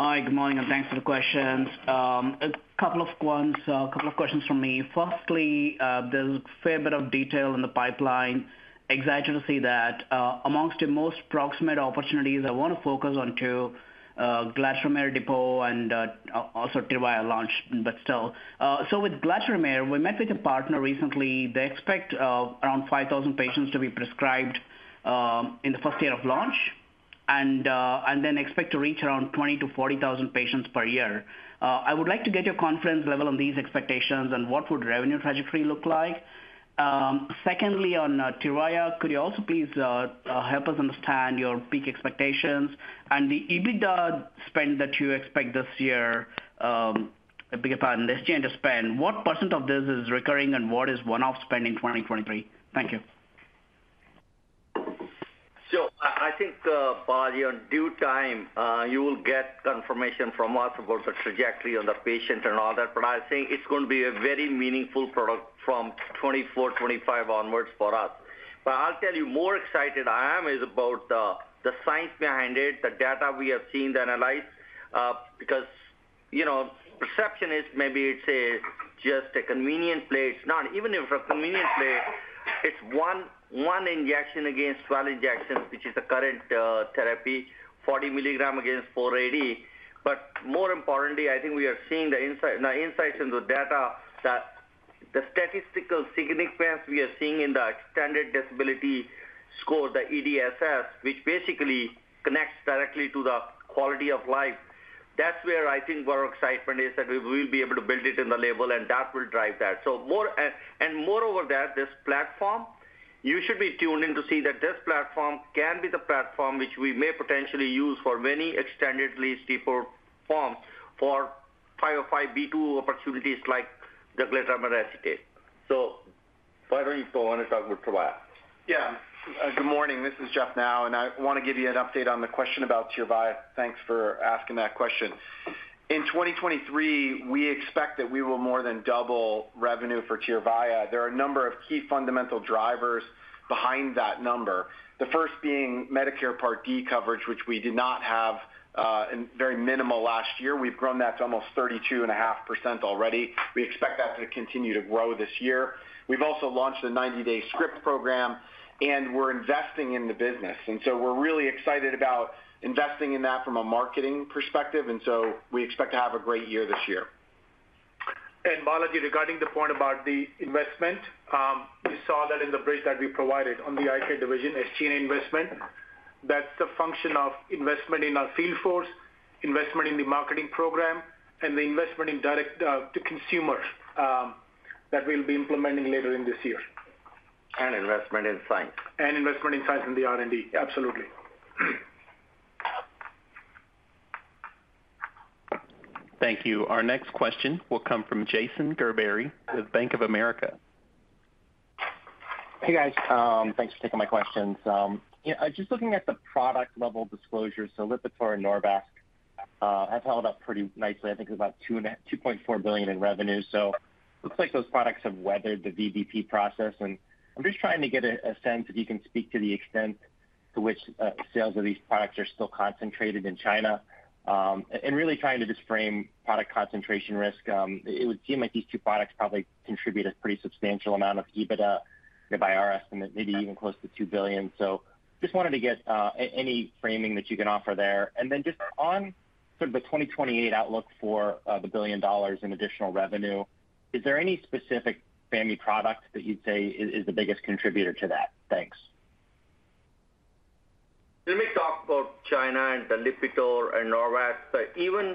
S10: Hi, good morning, thanks for the questions. A couple of questions from me. Firstly, there's a fair bit of detail in the pipeline. Excited to see that. Amongst the most proximate opportunities, I wanna focus on two, GA Depot and also Tyrvaya launch, but still. With Glatiramer, we met with a partner recently. They expect around 5,000 patients to be prescribed in the first year of launch, and then expect to reach around 20,000-40,000 patients per year. I would like to get your confidence level on these expectations and what would revenue trajectory look like. Secondly, on Tyrvaya, could you also please help us understand your peak expectations and the EBITDA spend that you expect this year?I beg your pardon, this year end spend, what % of this is recurring and what is one-off spend in 2023? Thank you.
S6: I think Balaji, on due time, you will get confirmation from us about the trajectory on the patient and all that, but I think it's gonna be a very meaningful product from 2024, 2025 onwards for us. I'll tell you more excited I am is about the science behind it, the data we have seen, the analyze, because, you know, perception is maybe it's a just a convenient play. It's not. Even if it's a convenient play, it's one injection against 12 injections, which is the current therapy, 40 mg against 480. More importantly, I think we are seeing the insights in the data that the statistical significance we are seeing in the extended disability score, the EDSS, which basically connects directly to the quality of life. That's where I think our excitement is that we will be able to build it in the label, and that will drive that. Moreover that, this platform, you should be tuned in to see that this platform can be the platform which we may potentially use for many extended release depot forms for 505(b)(2) opportunities like the Glatiramer Acetate. Jeffrey, go on and talk about Tyrvaya.
S11: Yeah. Good morning. This is Jeff Nau, I wanna give you an update on the question about Tyrvaya. Thanks for asking that question. In 2023, we expect that we will more than double revenue for Tyrvaya. There are a number of key fundamental drivers behind that number. The first being Medicare Part D coverage, which we did not have, and very minimal last year. We've grown that to almost 32.5% already. We expect that to continue to grow this year. We've also launched a 90-day script program, we're investing in the business. We're really excited about investing in that from a marketing perspective, we expect to have a great year this year.
S6: Balaji, regarding the point about the investment, you saw that in the bridge that we provided on the Eye Care division, SG&A investment. That's a function of investment in our field force, investment in the marketing program, and the investment in direct to consumer that we'll be implementing later in this year.
S10: Investment in science.
S6: Investment in science and the R&D. Absolutely.
S1: Thank you. Our next question will come from Jason Gerberry with Bank of America.
S12: Hey, guys. Thanks for taking my questions. Yeah, just looking at the product level disclosure, Lipitor and Norvasc have held up pretty nicely. I think it's about $2.4 billion in revenue. Looks like those products have weathered the VBP process, and I'm just trying to get a sense if you can speak to the extent to which sales of these products are still concentrated in China, and really trying to just frame product concentration risk. It would seem like these two products probably contribute a pretty substantial amount of EBITDA by our estimate, maybe even close to $2 billion. Just wanted to get any framing that you can offer there. Just on the 2028 outlook for the $1 billion in additional revenue, is there any specific family product that you'd say is the biggest contributor to that? Thanks.
S6: Let me talk about China and the Lipitor and Norvasc. Even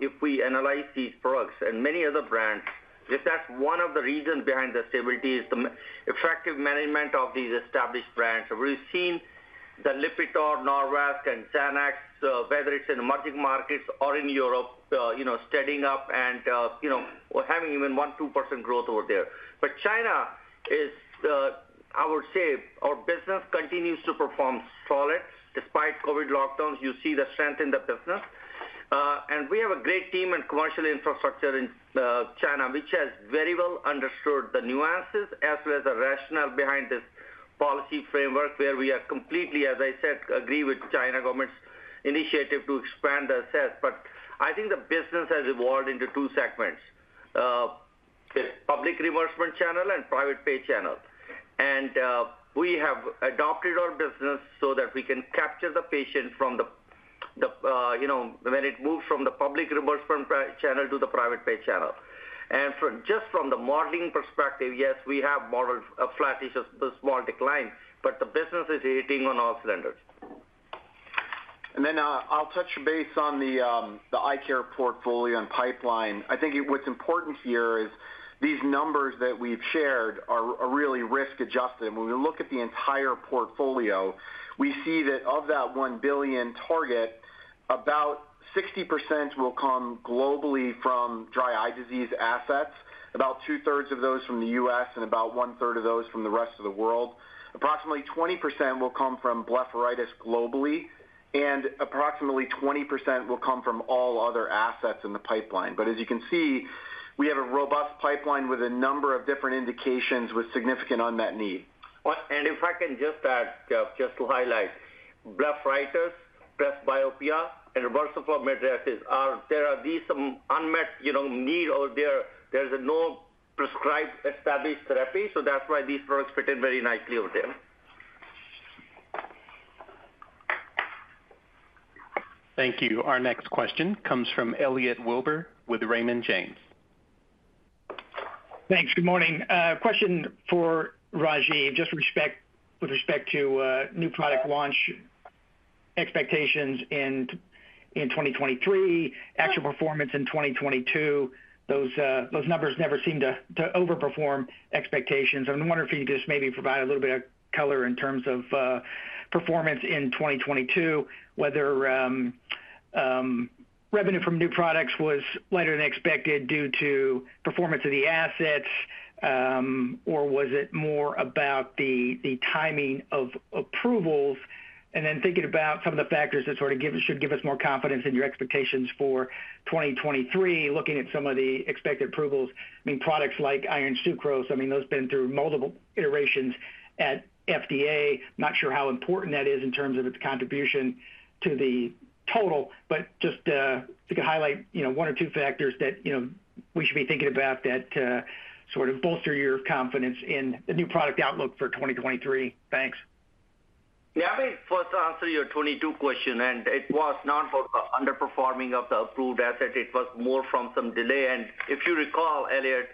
S6: if we analyze these products and many other brands, that's one of the reasons behind the stability is the effective management of these established brands. We've seen the Lipitor, Norvasc, and Xanax, whether it's in emerging markets or in Europe, you know, steadying up and, you know, or having even 1%, 2% growth over there. China I would say our business continues to perform solid despite COVID lockdowns. You see the strength in the business. We have a great team and commercial infrastructure in China, which has very well understood the nuances as well as the rationale behind this policy framework, where we are completely, as I said, agree with China government's initiative to expand the assets. I think the business has evolved into two segments. The public reimbursement channel and private pay channel. We have adopted our business so that we can capture the patient from the, you know, when it moves from the public reimbursement channel to the private pay channel. For just from the modeling perspective, yes, we have modeled a flatish of the small decline, but the business is hitting on all cylinders.
S3: Then, I'll touch base on the Eye Care portfolio and pipeline. I think what's important here is these numbers that we've shared are really risk-adjusted. When we look at the entire portfolio, we see that of that $1 billion target, about 60% will come globally from dry eye disease assets, about 2/3 of those from the U.S., and about 1/3 of those from the rest of the world. Approximately 20% will come from blepharitis globally, and approximately 20% will come from all other assets in the pipeline. As you can see, we have a robust pipeline with a number of different indications with significant unmet need.
S6: Well, if I can just add, Jeff, just to highlight. Blepharitis, presbyopia, and reverse form of mydriasis are these unmet, you know, need out there. There's no prescribed established therapy. That's why these products fitted very nicely over there.
S1: Thank you. Our next question comes from Elliot Wilbur with Raymond James.
S13: Thanks. Good morning. Question for Rajiv, with respect to new product launch expectations in 2023, actual performance in 2022. Those numbers never seem to overperform expectations. I'm wondering if you could just maybe provide a little bit of color in terms of performance in 2022, whether revenue from new products was later than expected due to performance of the assets, or was it more about the timing of approvals? Thinking about some of the factors that sort of should give us more confidence in your expectations for 2023, looking at some of the expected approvals. I mean, products like iron sucrose, I mean, those have been through multiple iterations at FDA. Not sure how important that is in terms of its contribution to the total, but just, if you could highlight, you know, one or two factors that, you know, we should be thinking about that, sort of bolster your confidence in the new product outlook for 2023. Thanks.
S6: Let me first answer your 2022 question. It was not for the underperforming of the approved asset. It was more from some delay. If you recall, Elliot,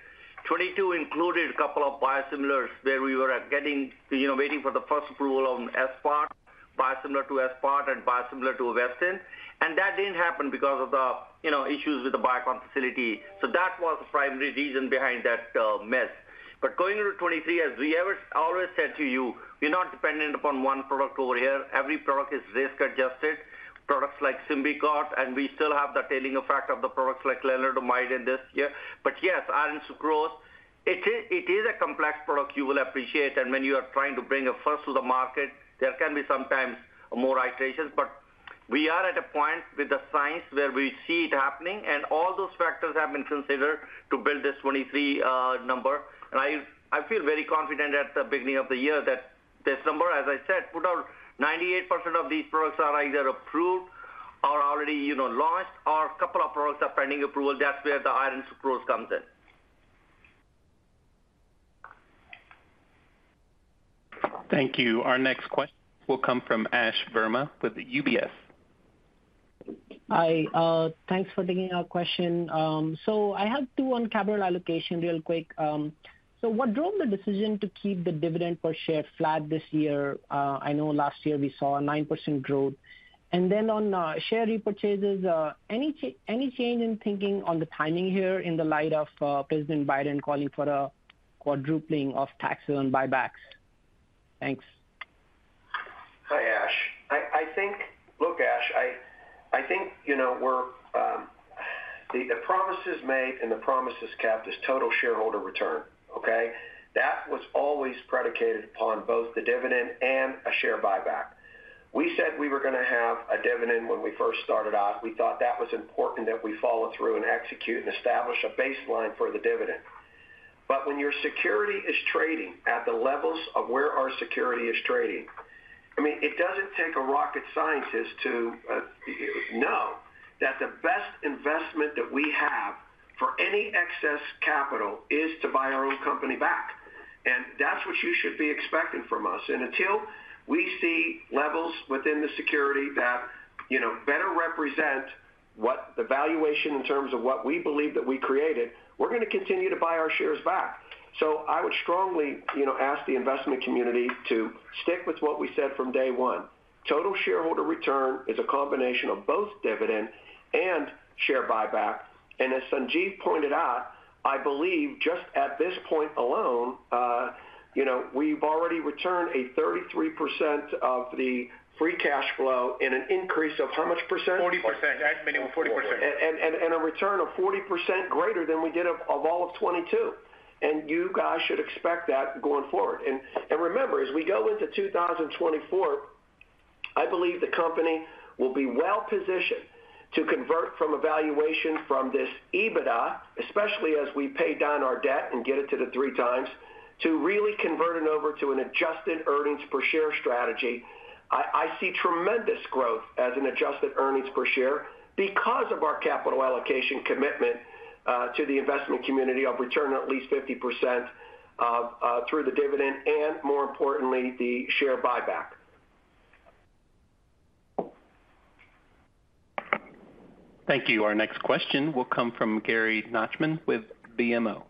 S6: 2022 included a couple of biosimilars where we were getting, you know, waiting for the first approval on aspart, biosimilar to aspart and biosimilar to Avastin. That didn't happen because of the, you know, issues with the Biocon facility. That was the primary reason behind that miss. Going into 2023, as we always said to you, we're not dependent upon one product over here. Every product is risk-adjusted. Products like Symbicort, and we still have the tailing effect of the products like Lenalidomide in this year. Yes, Iron Sucrose, it is a complex product you will appreciate. When you are trying to bring a first to the market, there can be sometimes more iterations. We are at a point with the science where we see it happening, and all those factors have been considered to build this 23 number. I feel very confident at the beginning of the year that this number, as I said, put out 98% of these products are either approved or already, you know, launched, or a couple of products are pending approval. That's where the Iron Sucrose comes in.
S1: Thank you. Our next question will come from Ashish Verma with UBS.
S14: Hi, thanks for taking our question. I have two on capital allocation real quick. What drove the decision to keep the dividend per share flat this year? I know last year we saw a 9% growth. Then on share repurchases, any change in thinking on the timing here in the light of President Biden calling for a quadrupling of taxes on buybacks? Thanks.
S3: Hi, Ash. I think. Look, Ash, I think we're the promises made and the promises kept is total shareholder return, okay? That was always predicated upon both the dividend and a share buyback. We said we were gonna have a dividend when we first started off. We thought that was important that we follow through and execute and establish a baseline for the dividend. When your security is trading at the levels of where our security is trading, I mean, it doesn't take a rocket scientist to know that the best investment that we have for any excess capital is to buy our own company back. That's what you should be expecting from us. Until we see levels within the security. You know, better represent what the valuation in terms of what we believe that we created, we're gonna continue to buy our shares back. I would strongly, you know, ask the investment community to stick with what we said from day one. Total shareholder return is a combination of both dividend and share buyback. As Sanjeev pointed out, I believe just at this point alone, you know, we've already returned a 33% of the free cash flow and an increase of how much percent?
S7: 40%. As minimum 40%.
S3: A return of 40% greater than we did of all of 2022. You guys should expect that going forward. Remember, as we go into 2024, I believe the company will be well-positioned to convert from a valuation from this EBITDA, especially as we pay down our debt and get it to the 3x, to really convert it over to an adjusted earnings per share strategy. I see tremendous growth as an adjusted earnings per share because of our capital allocation commitment to the investment community of return at least 50% through the dividend and more importantly, the share buyback.
S1: Thank you. Our next question will come from Gary Nachman with BMO.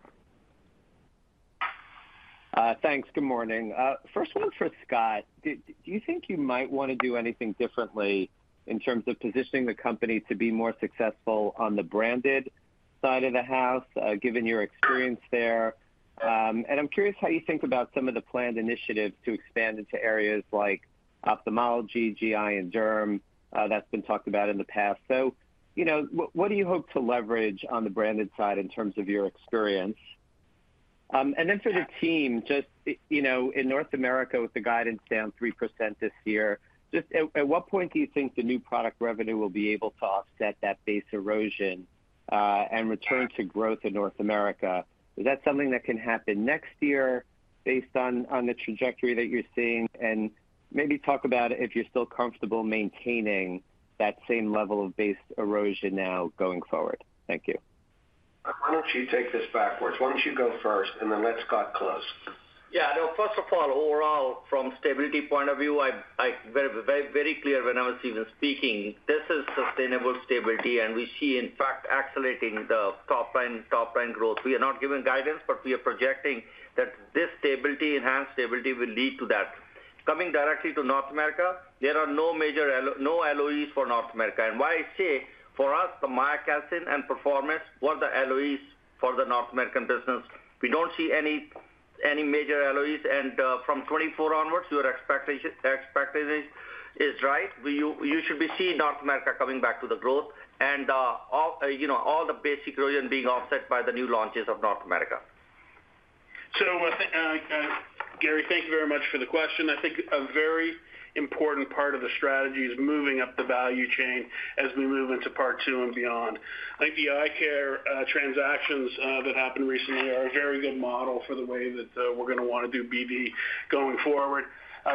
S15: Thanks. Good morning. First one for Scott. Do you think you might wanna do anything differently in terms of positioning the company to be more successful on the branded side of the house, given your experience there? I'm curious how you think about some of the planned initiatives to expand into areas like ophthalmology, GI, and derm, that's been talked about in the past. You know, what do you hope to leverage on the branded side in terms of your experience? Then for the team, just, you know, in North America, with the guidance down 3% this year, just at what point do you think the new product revenue will be able to offset that base erosion, and return to growth in North America? Is that something that can happen next year based on the trajectory that you're seeing? Maybe talk about if you're still comfortable maintaining that same level of base erosion now going forward. Thank you.
S3: Why don't you take this backwards? Why don't you go first, and then let Scott close.
S6: First of all, overall, from stability point of view, I very clear when I was even speaking, this is sustainable stability, and we see, in fact, accelerating the top-line growth. We are not giving guidance, but we are projecting that this stability, enhanced stability will lead to that. Coming directly to North America, there are no major LOEs for North America. Why I say for us, the Mylanta and Perforomist was the LOEs for the North American business. We don't see any major LOEs. From 2024 onwards, your expectation is right. You should be seeing North America coming back to the growth and, all, you know, all the base erosion being offset by the new launches of North America.
S3: Gary, thank you very much for the question. I think a very important part of the strategy is moving up the value chain as we move into part 2 and beyond. I think the eye care transactions that happened recently are a very good model for the way that we're gonna wanna do BD going forward.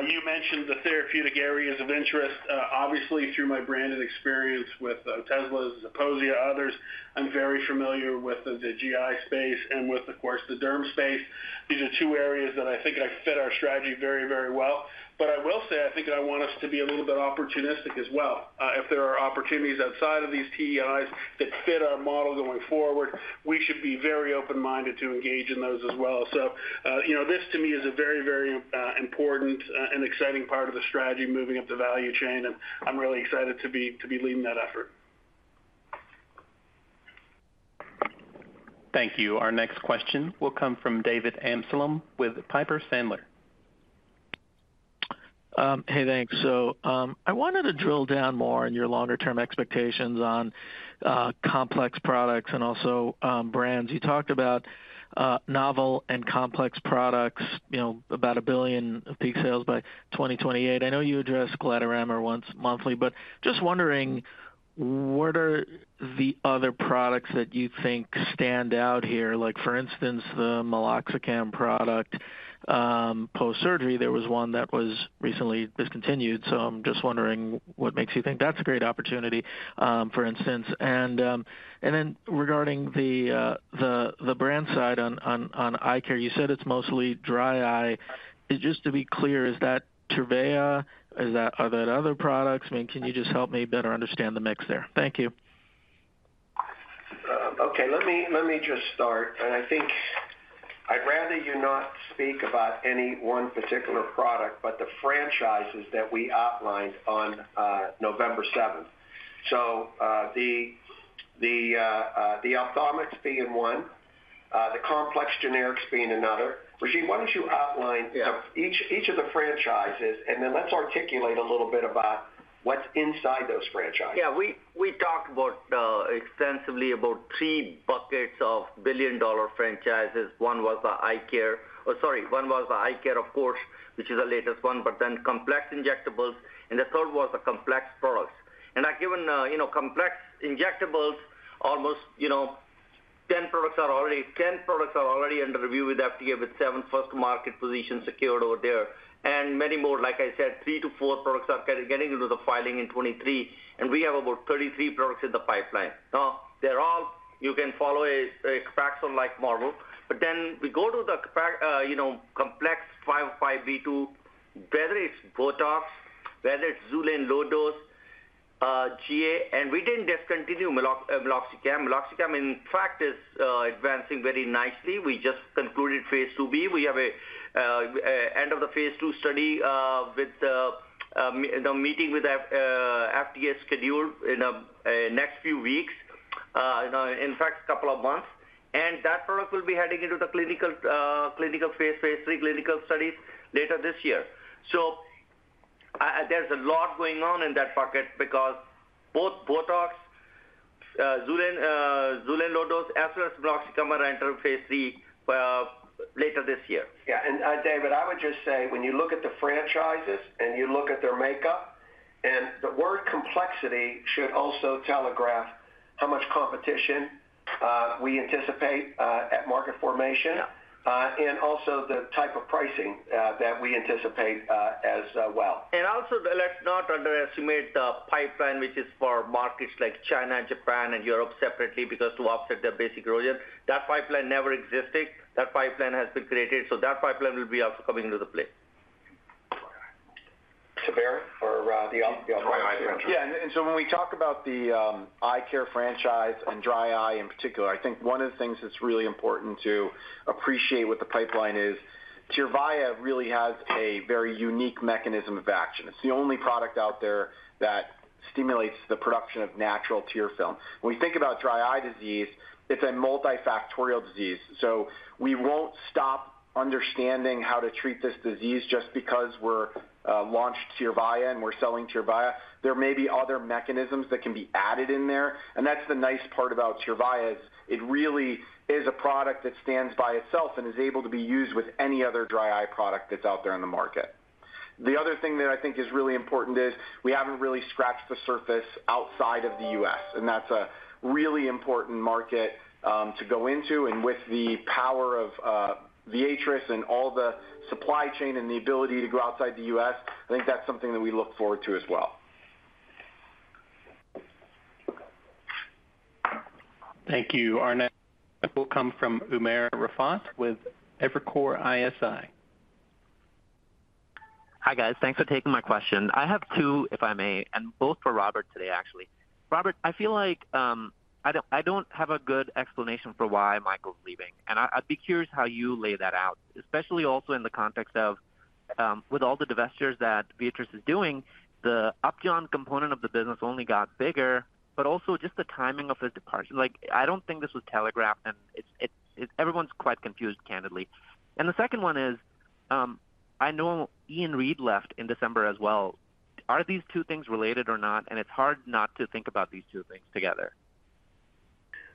S3: You mentioned the therapeutic areas of interest. Obviously, through my branded experience with Zeposia, others, I'm very familiar with the GI space and with, of course, the derm space. These are two areas that I think fit our strategy very, very well. I will say, I think I want us to be a little bit opportunistic as well. If there are opportunities outside of these TEIs that fit our model going forward, we should be very open-minded to engage in those as well. You know, this to me is a very, very important and exciting part of the strategy, moving up the value chain, and I'm really excited to be leading that effort.
S1: Thank you. Our next question will come from David Amsellem with Piper Sandler.
S16: Hey, thanks. I wanted to drill down more on your longer-term expectations on complex products and also brands. You talked about novel and complex products, you know, about $1 billion of peak sales by 2028. I know you addressed Glatiramer once monthly, but just wondering, what are the other products that you think stand out here? Like for instance, the meloxicam product, post-surgery, there was one that was recently discontinued, so I'm just wondering what makes you think that's a great opportunity, for instance. Then regarding the brand side on eye care, you said it's mostly dry eye. Just to be clear, is that Tyrvaya? Are there other products? I mean, can you just help me better understand the mix there? Thank you.
S3: Okay, let me just start. I think I'd rather you not speak about any one particular product, but the franchises that we outlined on November 7. The ophthalmics being one, the complex generics being another. Rajiv, why don't you outline
S6: Yeah.
S3: Each of the franchises, let's articulate a little bit about what's inside those franchises.
S6: Yeah, we talked about extensively about three buckets of billion-dollar franchises. One was the Eye Care. Oh, sorry. One was the Eye Care, of course, which is the latest one, but then complex injectables, and the third was the complex products. I've given, you know, complex injectables, almost, you know, 10 products are already under review with FDA, with seven first market positions secured over there. Many more, like I said, 3-4 products are getting into the filing in 2023, and we have about 33 products in the pipeline. Now, they're all, you can follow a Copaxone-like model. We go to the, you know, complex 505(b)(2) Botox, whether it's XULANE LO, GA. We didn't discontinue meloxicam. meloxicam, in fact, is advancing very nicely. We just concluded phase 2B. We have an end of the phase II study with the meeting with FDA scheduled in next few weeks, you know, in fact, two months. That product will be heading into the clinical phase III clinical studies later this year. There's a lot going on in that bucket because both Botox, Xulane, XULANE LO, as well as meloxicam are entering phase III later this year.
S3: Yeah. David, I would just say when you look at the franchises and you look at their makeup, and the word complexity should also telegraph how much competition, we anticipate, at market formation. Also the type of pricing, that we anticipate, as well.
S6: Also, let's not underestimate the pipeline, which is for markets like China, Japan, and Europe separately, because to offset their basic growth yet. That pipeline never existed. That pipeline has been created, so that pipeline will be also coming into the play.
S3: (inaudible) When we talk about the Eye Care franchise and dry eye in particular, I think one of the things that's really important to appreciate what the pipeline is. Tyrvaya really has a very unique mechanism of action. It's the only product out there that stimulates the production of natural tear film. When we think about dry eye disease, it's a multifactorial disease. We won't stop understanding how to treat this disease just because we're launched Tyrvaya and we're selling Tyrvaya. There may be other mechanisms that can be added in there, and that's the nice part about Tyrvaya, is it really is a product that stands by itself and is able to be used with any other dry eye product that's out there in the market. The other thing that I think is really important is we haven't really scratched the surface outside of the U.S., that's a really important market to go into. With the power of Viatris and all the supply chain and the ability to go outside the U.S., I think that's something that we look forward to as well.
S1: Thank you. Our next will come from Umer Raffat with Evercore ISI.
S17: Hi, guys. Thanks for taking my question. I have two, if I may, both for Robert today, actually. Robert, I feel like, I don't, I don't have a good explanation for why Michael's leaving, I'd be curious how you lay that out, especially also in the context of, with all the divestitures that Viatris is doing, the Upjohn component of the business only got bigger, but also just the timing of his departure. Like, I don't think this was telegraphed, and it's everyone's quite confused, candidly. The second one is, I know Ian Read left in December as well. Are these two things related or not? It's hard not to think about these two things together.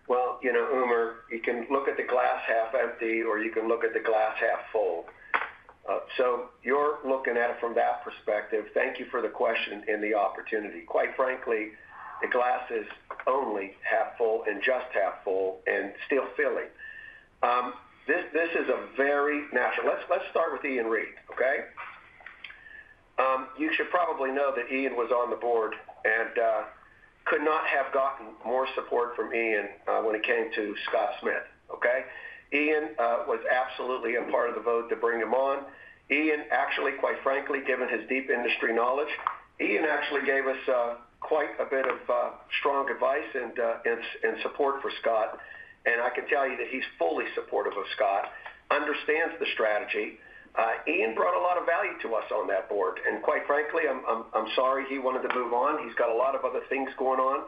S3: Well, you know, Umer, you can look at the glass half empty or you can look at the glass half full. You're looking at it from that perspective. Thank you for the question and the opportunity. Quite frankly, the glass is only half full and just half full and still filling. This is a very natural. Let's start with Ian Read. Okay? You should probably know that Ian was on the board and could not have gotten more support from Ian when it came to Scott Smith. Okay? Ian was absolutely a part of the vote to bring him on. Ian actually, quite frankly, given his deep industry knowledge, Ian actually gave us quite a bit of strong advice and support for Scott, and I can tell you that he's fully supportive of Scott, understands the strategy. Ian brought a lot of value to us on that board. Quite frankly, I'm sorry he wanted to move on. He's got a lot of other things going on.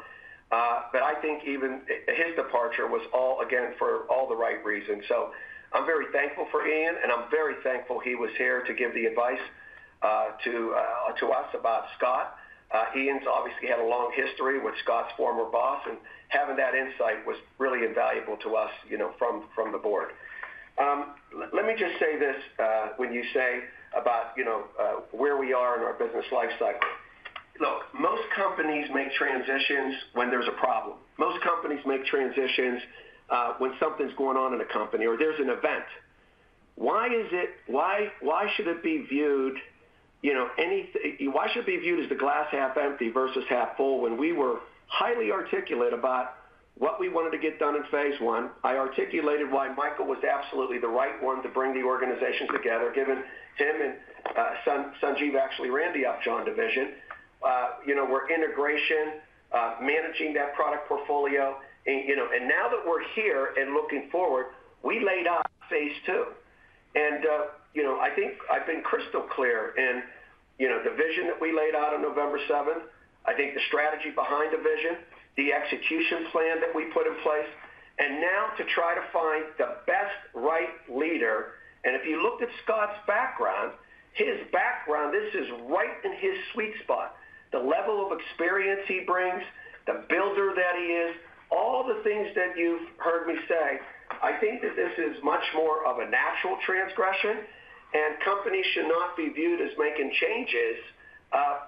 S3: I think even his departure was all, again, for all the right reasons. I'm very thankful for Ian, and I'm very thankful he was here to give the advice to us about Scott. Ian's obviously had a long history with Scott's former boss, and having that insight was really invaluable to us, you know, from the board. Let me just say this, when you say about, you know, where we are in our business life cycle. Look, most companies make transitions when there's a problem. Most companies make transitions, when something's going on in a company or there's an event. Why should it be viewed, you know, as the glass half empty versus half full when we were highly articulate about what we wanted to get done in phase I? I articulated why Michael was absolutely the right one to bring the organization together, given him and Sanjiv actually ran the Upjohn division. You know, we're integration, managing that product portfolio. You know, now that we're here and looking forward, we laid out phase II. You know, I think I've been crystal clear in, you know, the vision that we laid out on November 7th. I think the strategy behind the vision, the execution plan that we put in place, and now to try to find the best right leader. If you looked at Scott's background, his background, this is right in his sweet spot. The level of experience he brings, the builder that he is, all the things that you've heard me say, I think that this is much more of a natural transgression. Companies should not be viewed as making changes,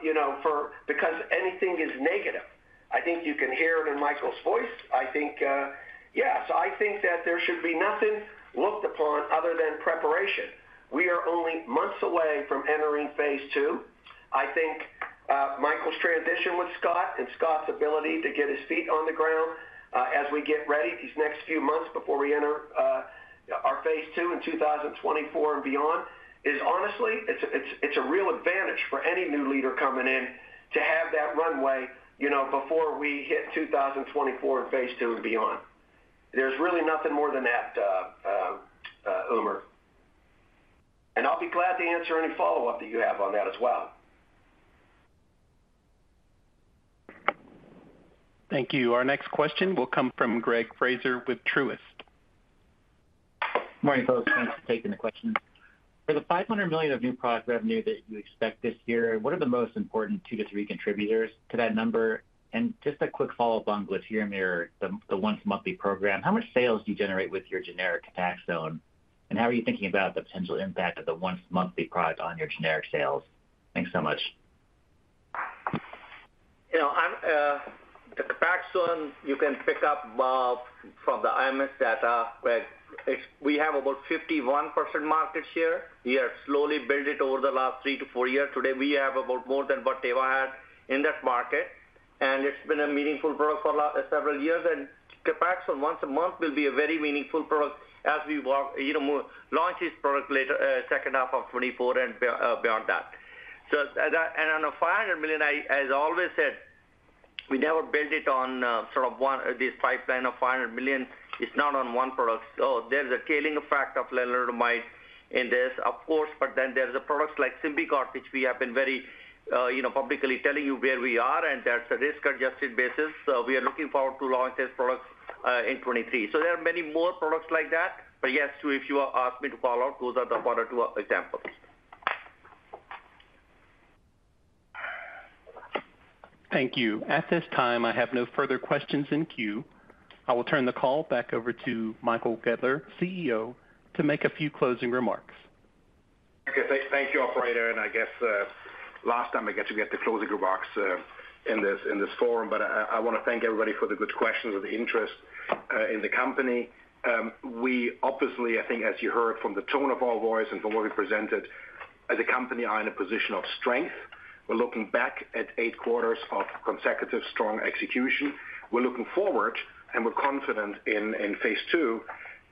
S3: you know, because anything is negative. I think you can hear it in Michael's voice. I think that there should be nothing looked upon other than preparation. We are only months away from entering phase two. I think Michael's transition with Scott and Scott's ability to get his feet on the ground, as we get ready these next few months before we enter our phase two in 2024 and beyond is honestly, it's a real advantage for any new leader coming in to have that runway, you know, before we hit 2024 in phase two and beyond. There's really nothing more than that, Umer. Glad to answer any follow-up that you have on that as well.
S1: Thank you. Our next question will come from Greg Fraser with Truist.
S18: Morning, folks. Thanks for taking the question. For the $500 million of new product revenue that you expect this year, what are the most important two to three contributors to that number? Just a quick follow-up on Glatiramer, the once monthly program. How much sales do you generate with your generic Copaxone? How are you thinking about the potential impact of the once monthly product on your generic sales? Thanks so much.
S6: You know, I'm the Copaxone you can pick up from the IMS data, where we have about 51% market share. We have slowly built it over the last 3-4 years. Today, we have about more than what they've had in that market, and it's been a meaningful growth for several years. Copaxone once a month will be a very meaningful product as we work, you know, launch this product later, second half of 2024 and be beyond that. On the $500 million, I as always said, we never built it on sort of one, this pipeline of $500 million. It's not on one product. There's a scaling effect of lenalidomide in this, of course, but then there's products like Symbicort, which we have been very, you know, publicly telling you where we are, and that's a risk-adjusted basis. We are looking forward to launch this product in 2023. There are many more products like that. Yes, if you ask me to call out, those are the one or two examples.
S1: Thank you. At this time, I have no further questions in queue. I will turn the call back over to Michael Goettler, CEO, to make a few closing remarks.
S5: Okay. Thank you, operator. I guess, last time I get to get the closing remarks, in this, in this forum. I want to thank everybody for the good questions and the interest, in the company. We obviously, I think as you heard from the tone of our voice and from what we presented as a company are in a position of strength. We're looking back at eight quarters of consecutive strong execution. We're looking forward, and we're confident in phase two.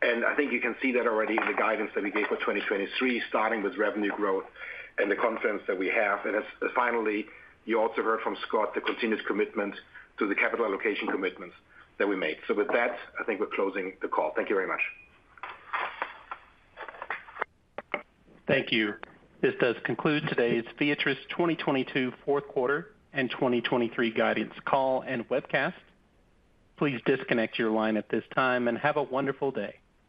S5: I think you can see that already in the guidance that we gave for 2023, starting with revenue growth and the confidence that we have. Finally, you also heard from Scott the continuous commitment to the capital allocation commitments that we made. With that, I think we're closing the call. Thank you very much.
S1: Thank you. This does conclude today's Viatris' 2022 fourth quarter and 2023 guidance call and webcast. Please disconnect your line at this time, and have a wonderful day.